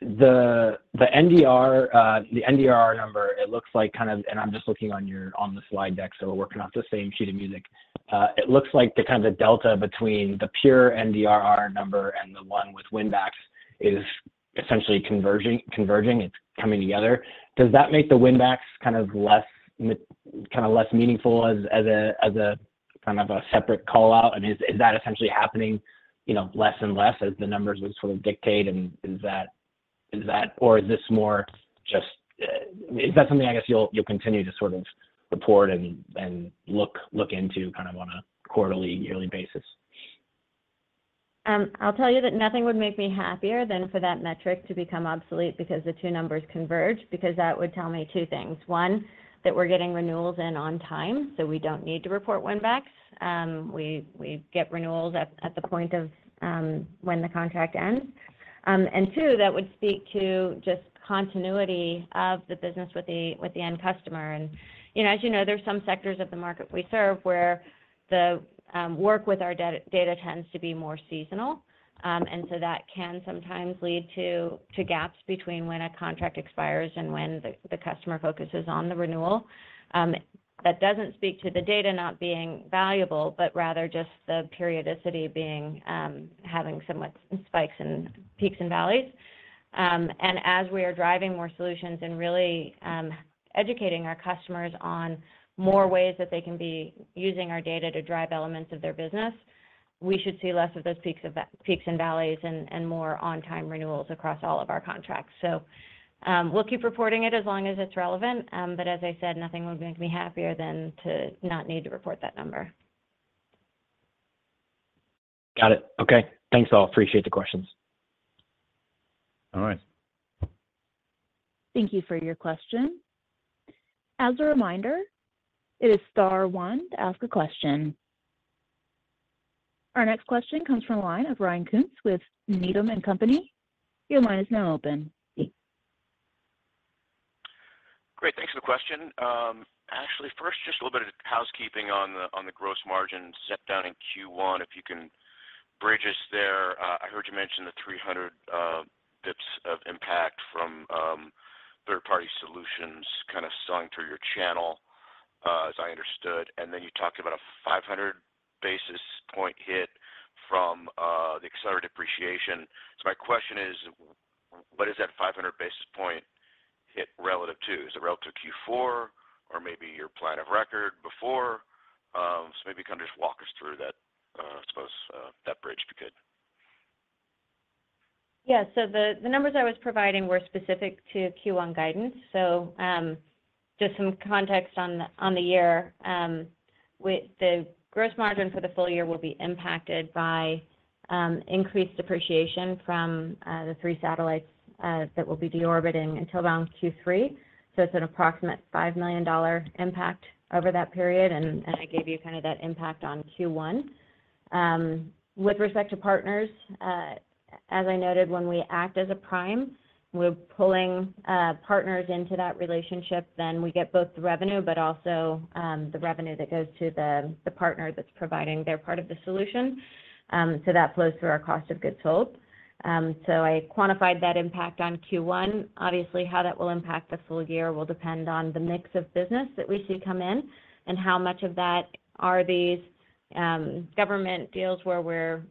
the NDR, the NDRR number, it looks like kind of. And I'm just looking on your slide deck, so we're working off the same sheet of music. It looks like the kind of delta between the pure NDRR number and the one with win backs is essentially converging. It's coming together. Does that make the win backs kind of less meaningful as a kind of a separate call-out? I mean, is that essentially happening, you know, less and less as the numbers would sort of dictate? And is that or is this more just. Is that something I guess you'll continue to sort of report and look into kind of on a quarterly, yearly basis? I'll tell you that nothing would make me happier than for that metric to become obsolete because the two numbers converge, because that would tell me two things. One, that we're getting renewals in on time, so we don't need to report win backs. We get renewals at the point of when the contract ends. And two, that would speak to just continuity of the business with the end customer. And, you know, as you know, there's some sectors of the market we serve, where the work with our data tends to be more seasonal. And so that can sometimes lead to gaps between when a contract expires and when the customer focuses on the renewal. That doesn't speak to the data not being valuable, but rather just the periodicity being having somewhat spikes and peaks and valleys. And as we are driving more solutions and really educating our customers on more ways that they can be using our data to drive elements of their business, we should see less of those peaks and valleys, and, and more on-time renewals across all of our contracts. So, we'll keep reporting it as long as it's relevant, but as I said, nothing would make me happier than to not need to report that number. Got it. Okay. Thanks, all. Appreciate the questions. All right. Thank you for your question. As a reminder, it is star one to ask a question. Our next question comes from the line of Ryan Koontz with Needham & Company. Your line is now open. Great, thanks for the question. Actually, first, just a little bit of housekeeping on the gross margin step down in Q1, if you can bridge us there. I heard you mention the 300 of impact from third-party solutions kind of selling through your channel, as I understood. And then you talked about a 500 basis point hit from the accelerated depreciation. So my question is, what is that 500 basis point hit relative to? Is it relative to Q4 or maybe your plan of record before? So maybe you can just walk us through that bridge, if you could. Yeah. So the numbers I was providing were specific to Q1 guidance. So, just some context on the year. With the gross margin for the full year will be impacted by increased depreciation from the 3 satellites that will be deorbiting until around Q3. So it's an approximate $5 million impact over that period, and I gave you kind of that impact on Q1. With respect to partners, as I noted, when we act as a prime, we're pulling partners into that relationship, then we get both the revenue, but also the revenue that goes to the partner that's providing their part of the solution. So that flows through our cost of goods sold. So I quantified that impact on Q1. Obviously, how that will impact the full year will depend on the mix of business that we see come in and how much of that are these government deals where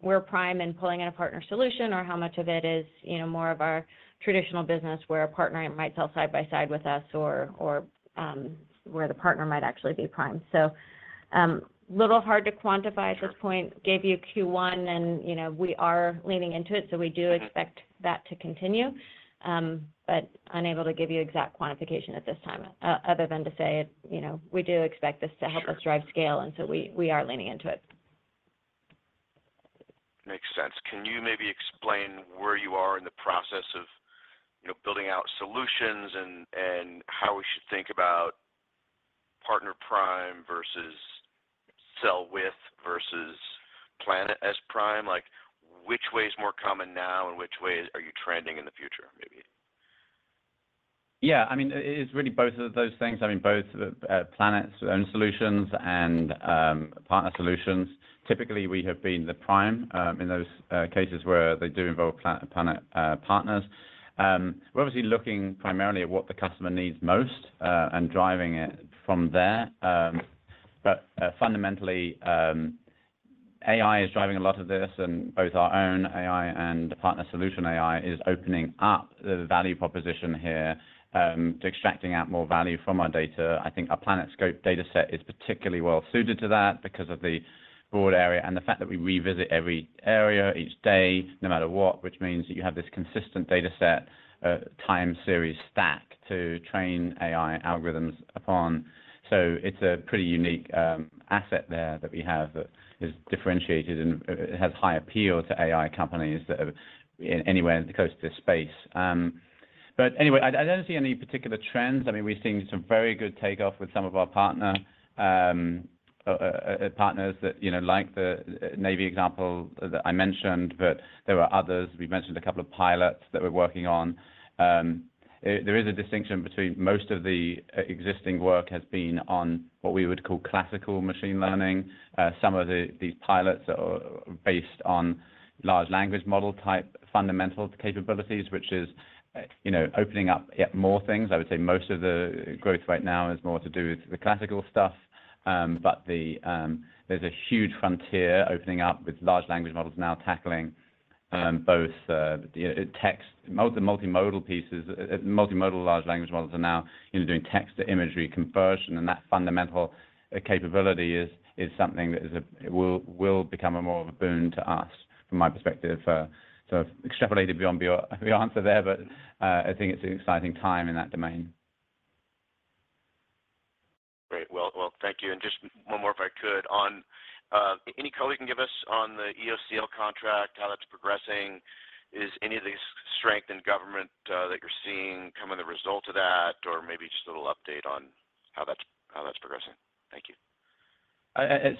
we're prime and pulling in a partner solution, or how much of it is, you know, more of our traditional business, where a partner might sell side by side with us or where the partner might actually be prime. So, a little hard to quantify at this point. Sure. Gave you Q1, and, you know, we are leaning into it, so we do- Okay... expect that to continue. But unable to give you exact quantification at this time, other than to say, you know, we do expect this to help us- Sure... drive scale, and so we are leaning into it. Makes sense. Can you maybe explain where you are in the process of, you know, building out solutions and how we should think about partner prime versus sell with versus Planet as prime? Like, which way is more common now, and which way are you trending in the future, maybe? Yeah, I mean, it's really both of those things. I mean, both Planet's own solutions and partner solutions. Typically, we have been the prime in those cases where they do involve Planet partners. We're obviously looking primarily at what the customer needs most and driving it from there. But fundamentally, AI is driving a lot of this, and both our own AI and the partner solution AI is opening up the value proposition here to extracting out more value from our data. I think our PlanetScope dataset is particularly well suited to that because of the broad area and the fact that we revisit every area each day, no matter what, which means that you have this consistent dataset time series stack to train AI algorithms upon. So it's a pretty unique asset there that we have that is differentiated and it has high appeal to AI companies that have anywhere close to this space. But anyway, I don't see any particular trends. I mean, we've seen some very good takeoff with some of our partners that, you know, like the Navy example that I mentioned, but there are others. We mentioned a couple of pilots that we're working on. There is a distinction between most of the existing work has been on what we would call classical machine learning. Some of these pilots are based on large language model type fundamental capabilities, which is, you know, opening up yet more things. I would say most of the growth right now is more to do with the classical stuff, but there's a huge frontier opening up with large language models now tackling both the text, the multimodal pieces. Multimodal large language models are now doing text-to-imagery conversion, and that fundamental capability is something that will become more of a boon to us, from my perspective. So extrapolated beyond your answer there, but I think it's an exciting time in that domain. Great. Well, well, thank you. And just one more, if I could, on any color you can give us on the EOCL contract, how that's progressing? Is any of the strength in government that you're seeing coming the result of that, or maybe just a little update on how that's, how that's progressing? Thank you.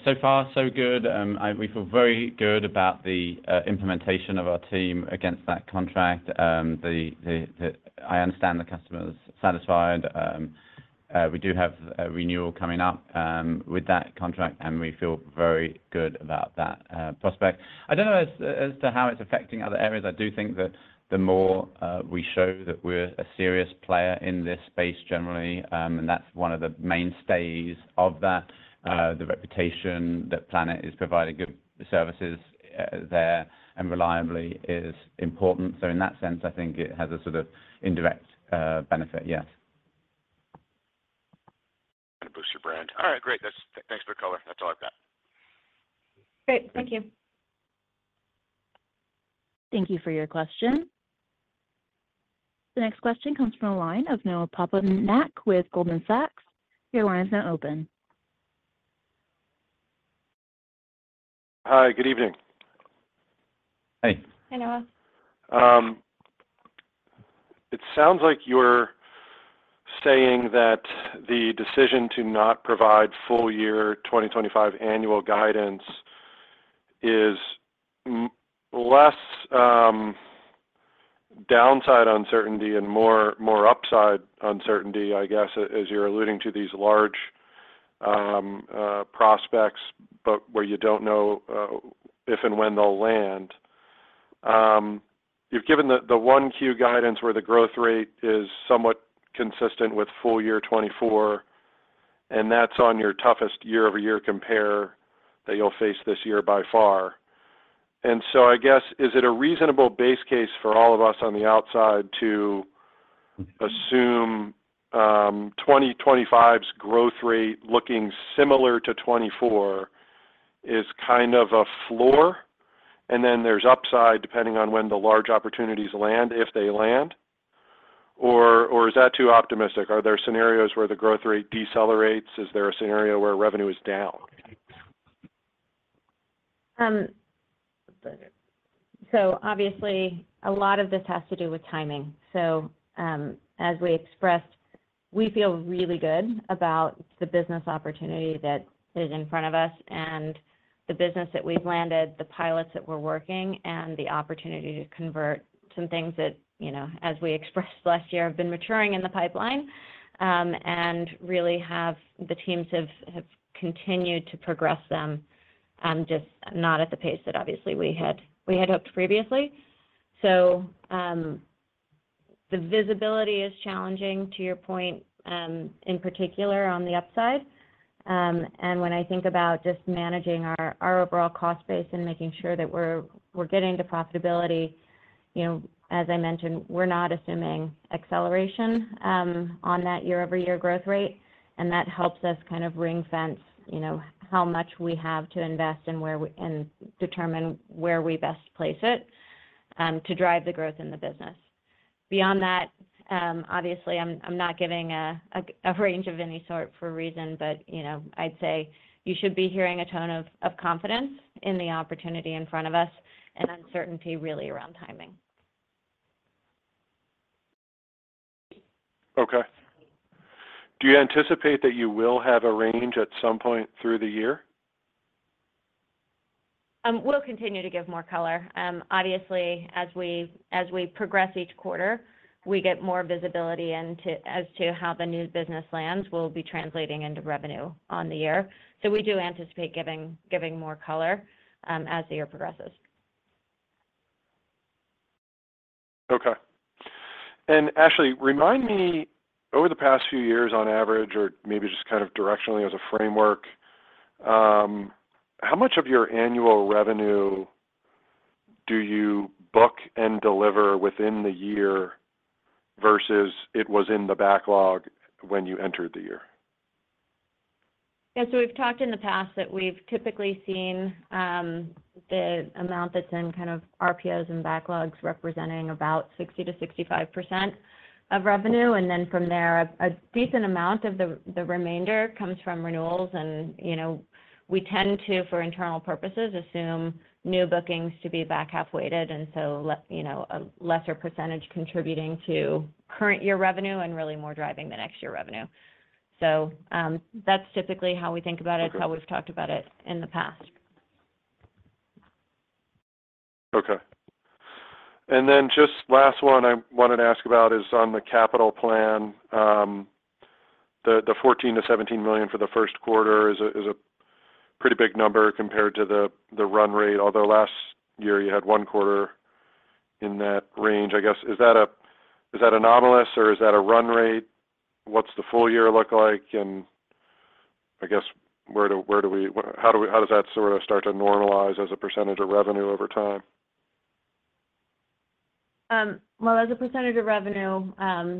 So far, so good. We feel very good about the implementation of our team against that contract. I understand the customer is satisfied. We do have a renewal coming up with that contract, and we feel very good about that prospect. I don't know as to how it's affecting other areas. I do think that the more we show that we're a serious player in this space generally, and that's one of the mainstays of that, the reputation that Planet is providing good services there and reliably is important. So in that sense, I think it has a sort of indirect benefit, yes. Kind of boost your brand. All right, great. That's. Thanks for the color. That's all I've got. Great. Thank you. Thank you for your question. The next question comes from the line of Noah Poponak with Goldman Sachs. Your line is now open. Hi, good evening. Hey. Hi, Noah. It sounds like you're saying that the decision to not provide full year 2025 annual guidance is less downside uncertainty and more upside uncertainty, I guess, as you're alluding to these large prospects, but where you don't know if and when they'll land. You've given the 1Q guidance where the growth rate is somewhat consistent with full year 2024, and that's on your toughest year-over-year compare that you'll face this year by far. And so, I guess, is it a reasonable base case for all of us on the outside to assume 2025's growth rate looking similar to 2024 is kind of a floor, and then there's upside, depending on when the large opportunities land, if they land? Or is that too optimistic? Are there scenarios where the growth rate decelerates? Is there a scenario where revenue is down? So obviously, a lot of this has to do with timing. So, as we expressed, we feel really good about the business opportunity that is in front of us and the business that we've landed, the pilots that we're working, and the opportunity to convert some things that, you know, as we expressed last year, have been maturing in the pipeline, and really the teams have continued to progress them, just not at the pace that obviously we had hoped previously. So, the visibility is challenging, to your point, in particular on the upside. And when I think about just managing our overall cost base and making sure that we're getting to profitability, you know, as I mentioned, we're not assuming acceleration on that year-over-year growth rate, and that helps us kind of ring fence, you know, how much we have to invest and where we best place it to drive the growth in the business. Beyond that, obviously, I'm not giving a range of any sort for a reason, but, you know, I'd say you should be hearing a tone of confidence in the opportunity in front of us and uncertainty really around timing. Okay. Do you anticipate that you will have a range at some point through the year? We'll continue to give more color. Obviously, as we, as we progress each quarter, we get more visibility into as to how the new business lands will be translating into revenue on the year. So we do anticipate giving, giving more color, as the year progresses. Okay. And Ashley, remind me, over the past few years, on average, or maybe just kind of directionally as a framework, how much of your annual revenue do you book and deliver within the year versus it was in the backlog when you entered the year? Yeah, so we've talked in the past that we've typically seen the amount that's in kind of RPOs and backlogs representing about 60%-65% of revenue. And then from there, a decent amount of the remainder comes from renewals. And, you know, we tend to, for internal purposes, assume new bookings to be back-half weighted, and so you know, a lesser percentage contributing to current year revenue and really more driving the next year revenue. So, that's typically how we think about it- Okay. how we've talked about it in the past. Okay. And then just last one I wanted to ask about is on the capital plan. The $14 million-$17 million for the first quarter is a pretty big number compared to the run rate, although last year you had one quarter in that range. I guess, is that a-- is that anomalous, or is that a run rate? What's the full year look like? And I guess, where do we-- what... How do we-- how does that sort of start to normalize as a percentage of revenue over time? Well, as a percentage of revenue,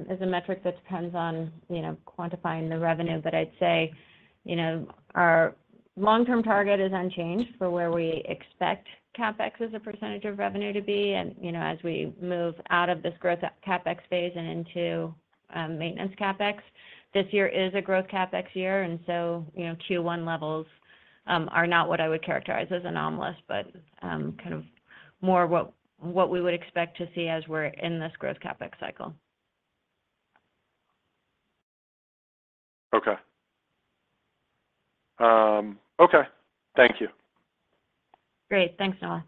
is a metric that depends on, you know, quantifying the revenue. But I'd say, you know, our long-term target is unchanged for where we expect CapEx as a percentage of revenue to be. And, you know, as we move out of this growth CapEx phase and into maintenance CapEx, this year is a growth CapEx year, and so, you know, Q1 levels are not what I would characterize as anomalous, but kind of more what we would expect to see as we're in this growth CapEx cycle. Okay. Okay. Thank you. Great. Thanks, Noah.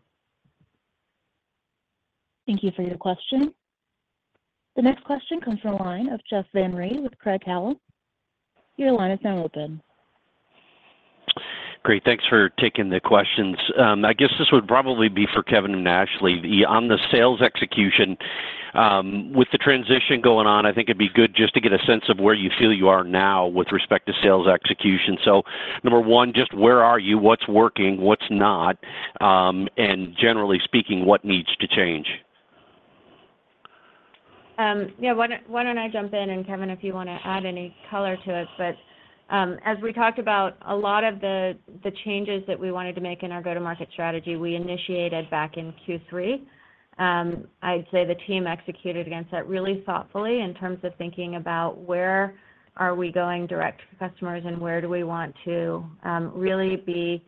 Thank you for your question. The next question comes from the line of Jeff Van Rhee with Craig-Hallum. Your line is now open. Great. Thanks for taking the questions. I guess this would probably be for Kevin and Ashley. On the sales execution, with the transition going on, I think it'd be good just to get a sense of where you feel you are now with respect to sales execution. So number one, just where are you? What's working, what's not? And generally speaking, what needs to change? Yeah, why don't I jump in, and Kevin, if you wanna add any color to it. But, as we talked about a lot of the changes that we wanted to make in our go-to-market strategy, we initiated back in Q3. I'd say the team executed against that really thoughtfully in terms of thinking about where are we going direct to customers and where do we want to really be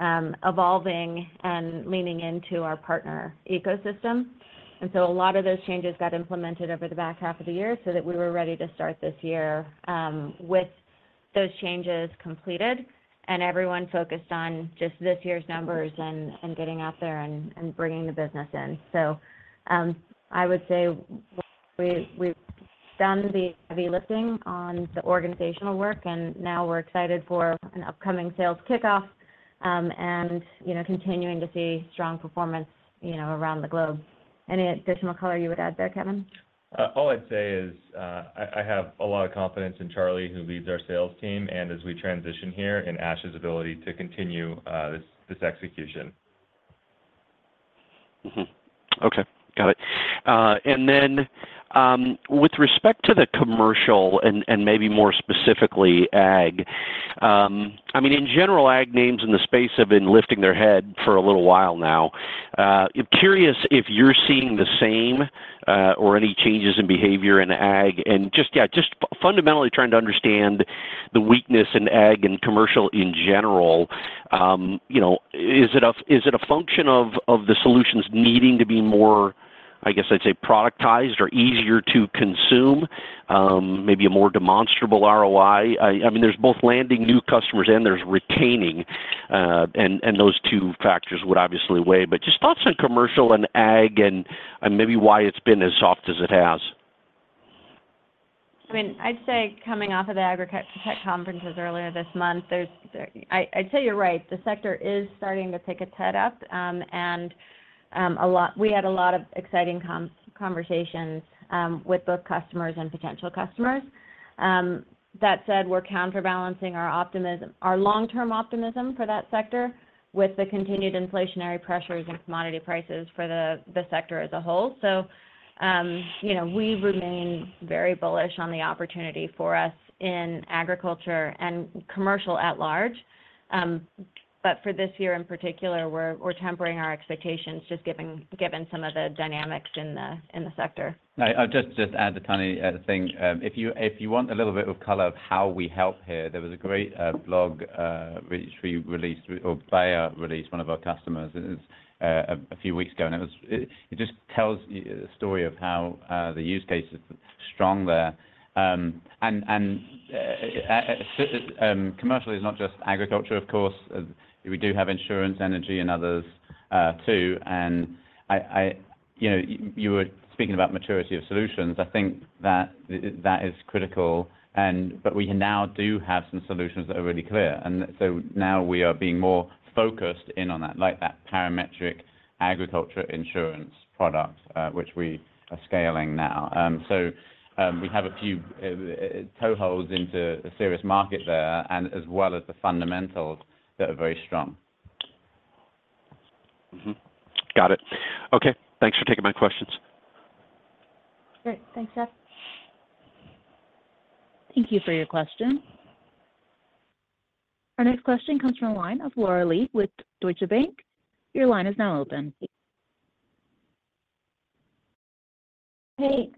evolving and leaning into our partner ecosystem. And so a lot of those changes got implemented over the back half of the year, so that we were ready to start this year with those changes completed, and everyone focused on just this year's numbers and getting out there and bringing the business in. So, I would say-... We, we've done the heavy lifting on the organizational work, and now we're excited for an upcoming sales kickoff, you know, continuing to see strong performance, you know, around the globe. Any additional color you would add there, Kevin? All I'd say is, I have a lot of confidence in Charlie, who leads our sales team, and as we transition here, in Ash's ability to continue this execution. Mm-hmm. Okay, got it. And then, with respect to the commercial and, and maybe more specifically, ag, I mean, in general, ag names in the space have been lifting their head for a little while now. I'm curious if you're seeing the same, or any changes in behavior in ag? And just fundamentally trying to understand the weakness in ag and commercial in general. You know, is it a function of the solutions needing to be more, I guess I'd say, productized or easier to consume, maybe a more demonstrable ROI? I mean, there's both landing new customers and there's retaining, and those two factors would obviously weigh. But just thoughts on commercial and ag, and maybe why it's been as soft as it has. I mean, I'd say coming off of the agriculture tech conferences earlier this month, there's – I'd tell you right, the sector is starting to pick its head up, and a lot. We had a lot of exciting conversations with both customers and potential customers. That said, we're counterbalancing our optimism – our long-term optimism for that sector with the continued inflationary pressures and commodity prices for the sector as a whole. So, you know, we remain very bullish on the opportunity for us in agriculture and commercial at large. But for this year, in particular, we're tempering our expectations, just given some of the dynamics in the sector. I'll just add a tiny thing. If you want a little bit of color of how we help here, there was a great blog which we released, or Planet released, one of our customers a few weeks ago, and it just tells you the story of how the use case is strong there. And commercially, it's not just agriculture, of course. We do have insurance, energy, and others too. And I... You know, you were speaking about maturity of solutions. I think that is critical and, but we now do have some solutions that are really clear. And so now we are being more focused in on that, like that parametric agriculture insurance product which we are scaling now. So, we have a few toeholds into a serious market there, and as well as the fundamentals that are very strong. Mm-hmm. Got it. Okay, thanks for taking my questions. Great. Thanks, Jeff. Thank you for your question. Our next question comes from the line of Laura Li with Deutsche Bank. Your line is now open. Hey,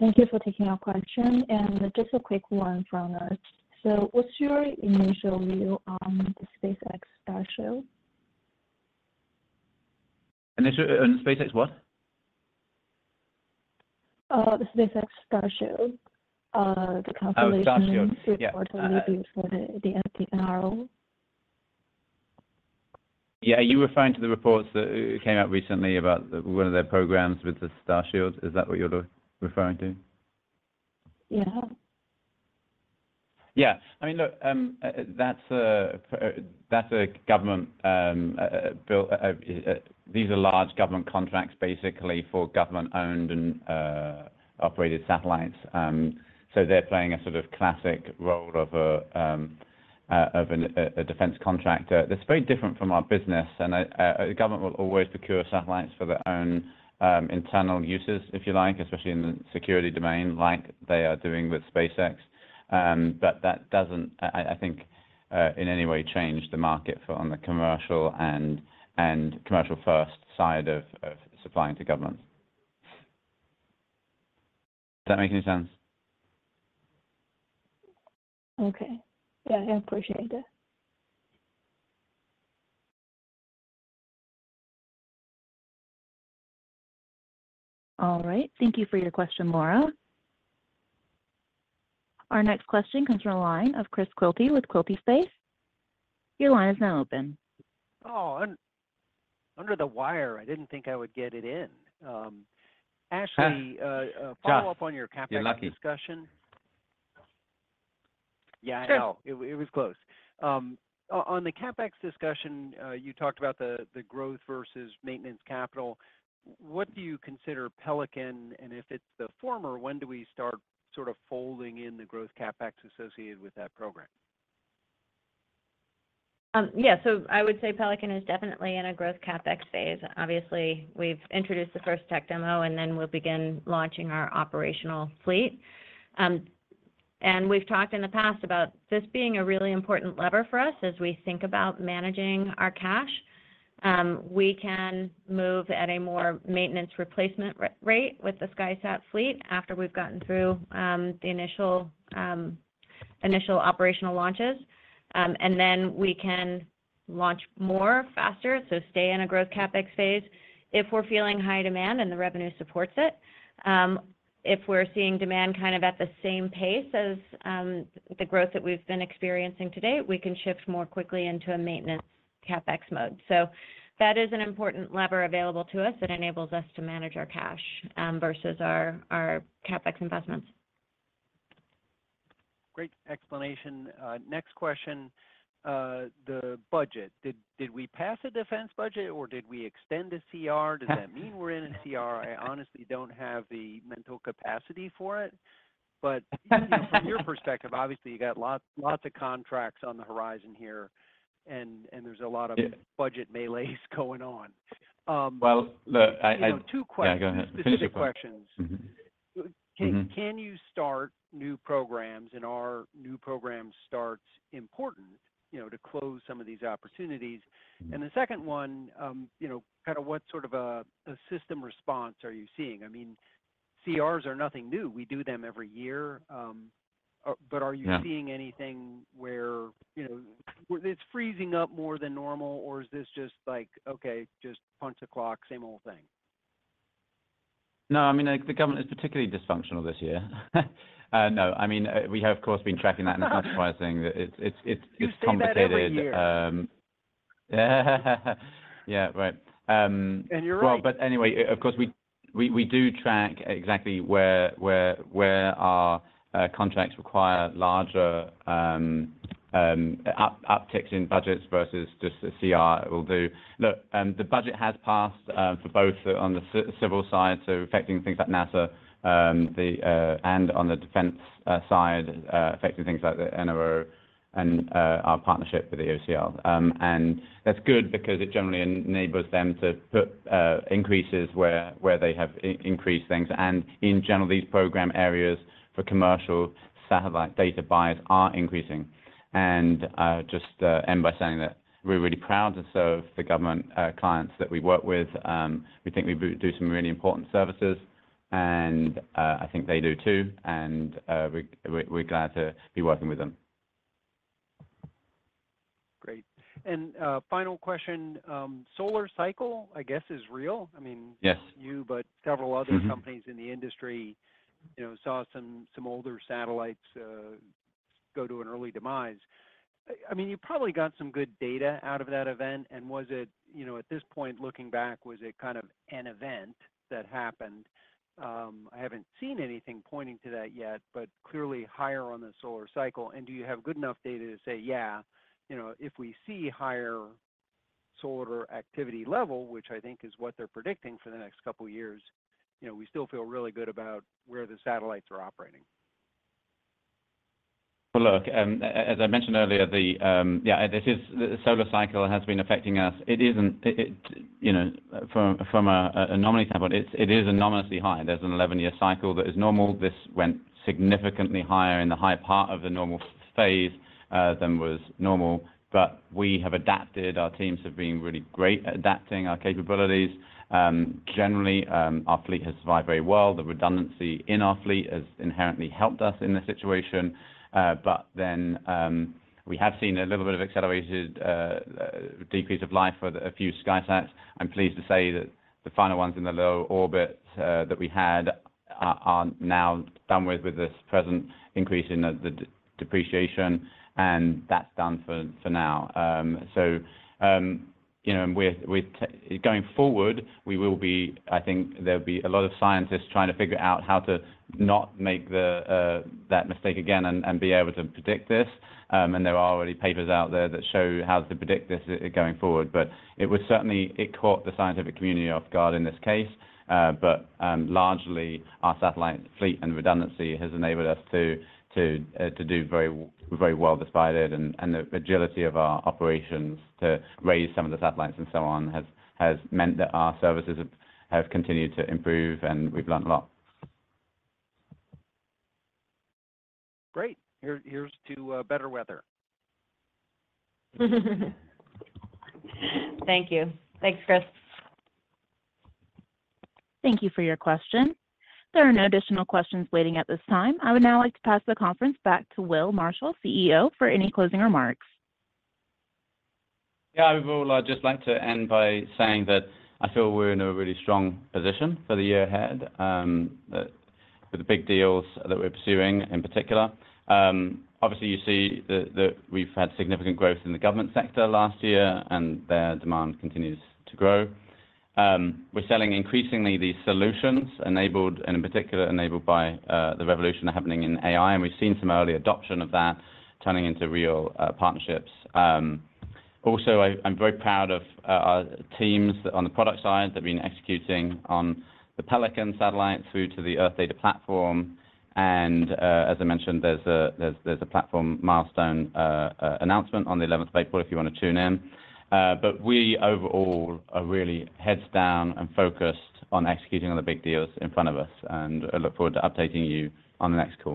thank you for taking our question, and just a quick one from us. So what's your initial view on the SpaceX Starship? Initial on SpaceX what? the SpaceX Starship, the constellation- Oh, Starship. - report review for the NRO. Yeah, are you referring to the reports that came out recently about one of their programs with the Starship? Is that what you're referring to? Yeah. Yeah. I mean, look, that's a government-built. These are large government contracts, basically for government-owned and operated satellites. So they're playing a sort of classic role of a defense contractor. That's very different from our business, and the government will always procure satellites for their own internal uses, if you like, especially in the security domain, like they are doing with SpaceX. But that doesn't, I think, in any way change the market for on the commercial and commercial first side of supplying to government. Does that make any sense? Okay. Yeah, I appreciate it. All right. Thank you for your question, Laura. Our next question comes from a line of Chris Quilty with Quilty Space. Your line is now open. Oh, under the wire, I didn't think I would get it in. Ashley, Hi, Jeff... follow up on your CapEx discussion. You're lucky. Yeah, I know. Sure. It was close. On the CapEx discussion, you talked about the growth versus maintenance capital. What do you consider Pelican? And if it's the former, when do we start sort of folding in the growth CapEx associated with that program? Yeah. So I would say Pelican is definitely in a growth CapEx phase. Obviously, we've introduced the first tech demo, and then we'll begin launching our operational fleet. We've talked in the past about this being a really important lever for us as we think about managing our cash. We can move at a more maintenance replacement rate with the SkySat fleet after we've gotten through the initial operational launches. Then we can launch more faster, so stay in a growth CapEx phase if we're feeling high demand and the revenue supports it. If we're seeing demand kind of at the same pace as the growth that we've been experiencing today, we can shift more quickly into a maintenance-... CapEx mode. So that is an important lever available to us that enables us to manage our cash versus our CapEx investments. Great explanation. Next question. The budget. Did we pass a defense budget or did we extend a CR? Does that mean we're in a CR? I honestly don't have the mental capacity for it. But, from your perspective, obviously, you got lots, lots of contracts on the horizon here, and there's a lot of- Yeah... budget melees going on. Well, look, You know, two questions- Yeah, go ahead.... specific questions. Mm-hmm. Mm-hmm. Can you start new programs, and are new program starts important, you know, to close some of these opportunities? Mm. The second one, you know, kind of what sort of a system response are you seeing? I mean, CRs are nothing new. We do them every year, but are- Yeah... you seeing anything where, you know, where it's freezing up more than normal? Or is this just like, okay, just punch a clock, same old thing? No, I mean, like, the government is particularly dysfunctional this year. No, I mean, we have, of course, been tracking that in the pricing. It's complicated. You say that every year. Yeah, right. You're right. Well, but anyway, of course, we do track exactly where our contracts require larger upticks in budgets versus just a CR will do. Look, the budget has passed for both on the civil side, so affecting things like NASA, and on the defense side, affecting things like the NRO and our partnership with the NGA. And that's good because it generally enables them to put increases where they have increased things. And in general, these program areas for commercial satellite data buys are increasing. And just end by saying that we're really proud to serve the government clients that we work with. We think we do some really important services, and I think they do, too. And, we're glad to be working with them. Great. And final question, solar cycle, I guess, is real. I mean- Yes... you, but several other- Mm-hmm... companies in the industry, you know, saw some older satellites go to an early demise. I mean, you probably got some good data out of that event, and was it, you know, at this point, looking back, was it kind of an event that happened? I haven't seen anything pointing to that yet, but clearly higher on the solar cycle. And do you have good enough data to say, yeah, you know, if we see higher solar activity level, which I think is what they're predicting for the next couple of years, you know, we still feel really good about where the satellites are operating? Well, look, as I mentioned earlier, the solar cycle has been affecting us. It isn't, you know, from an anomaly standpoint, it is anomalously high. There's an 11-year cycle that is normal. This went significantly higher in the high part of the normal phase than was normal, but we have adapted. Our teams have been really great at adapting our capabilities. Generally, our fleet has survived very well. The redundancy in our fleet has inherently helped us in this situation. But then, we have seen a little bit of accelerated decrease of life for a few SkySats. I'm pleased to say that the final ones in the low orbit that we had are now done with this present increase in the depreciation, and that's done for now. So, you know, going forward, we will be, I think there'll be a lot of scientists trying to figure out how to not make that mistake again and be able to predict this. And there are already papers out there that show how to predict this going forward, but it was certainly it caught the scientific community off guard in this case. But largely, our satellite fleet and redundancy has enabled us to do very, very well despite it, and the agility of our operations to raise some of the satellites and so on has meant that our services have continued to improve, and we've learned a lot. Great. Here, here's to better weather. Thank you. Thanks, Chris. Thank you for your question. There are no additional questions waiting at this time. I would now like to pass the conference back to Will Marshall, CEO, for any closing remarks. Yeah, overall, I'd just like to end by saying that I feel we're in a really strong position for the year ahead, for the big deals that we're pursuing, in particular. Obviously, you see that we've had significant growth in the government sector last year, and their demand continues to grow. We're selling increasingly these solutions enabled, and in particular, enabled by the revolution happening in AI, and we've seen some early adoption of that turning into real partnerships. Also, I'm very proud of our teams on the product side. They've been executing on the Pelican satellite through to the Earth Data Platform. And, as I mentioned, there's a platform milestone announcement on the eleventh of April, if you want to tune in. But we, overall, are really heads down and focused on executing on the big deals in front of us, and I look forward to updating you on the next call.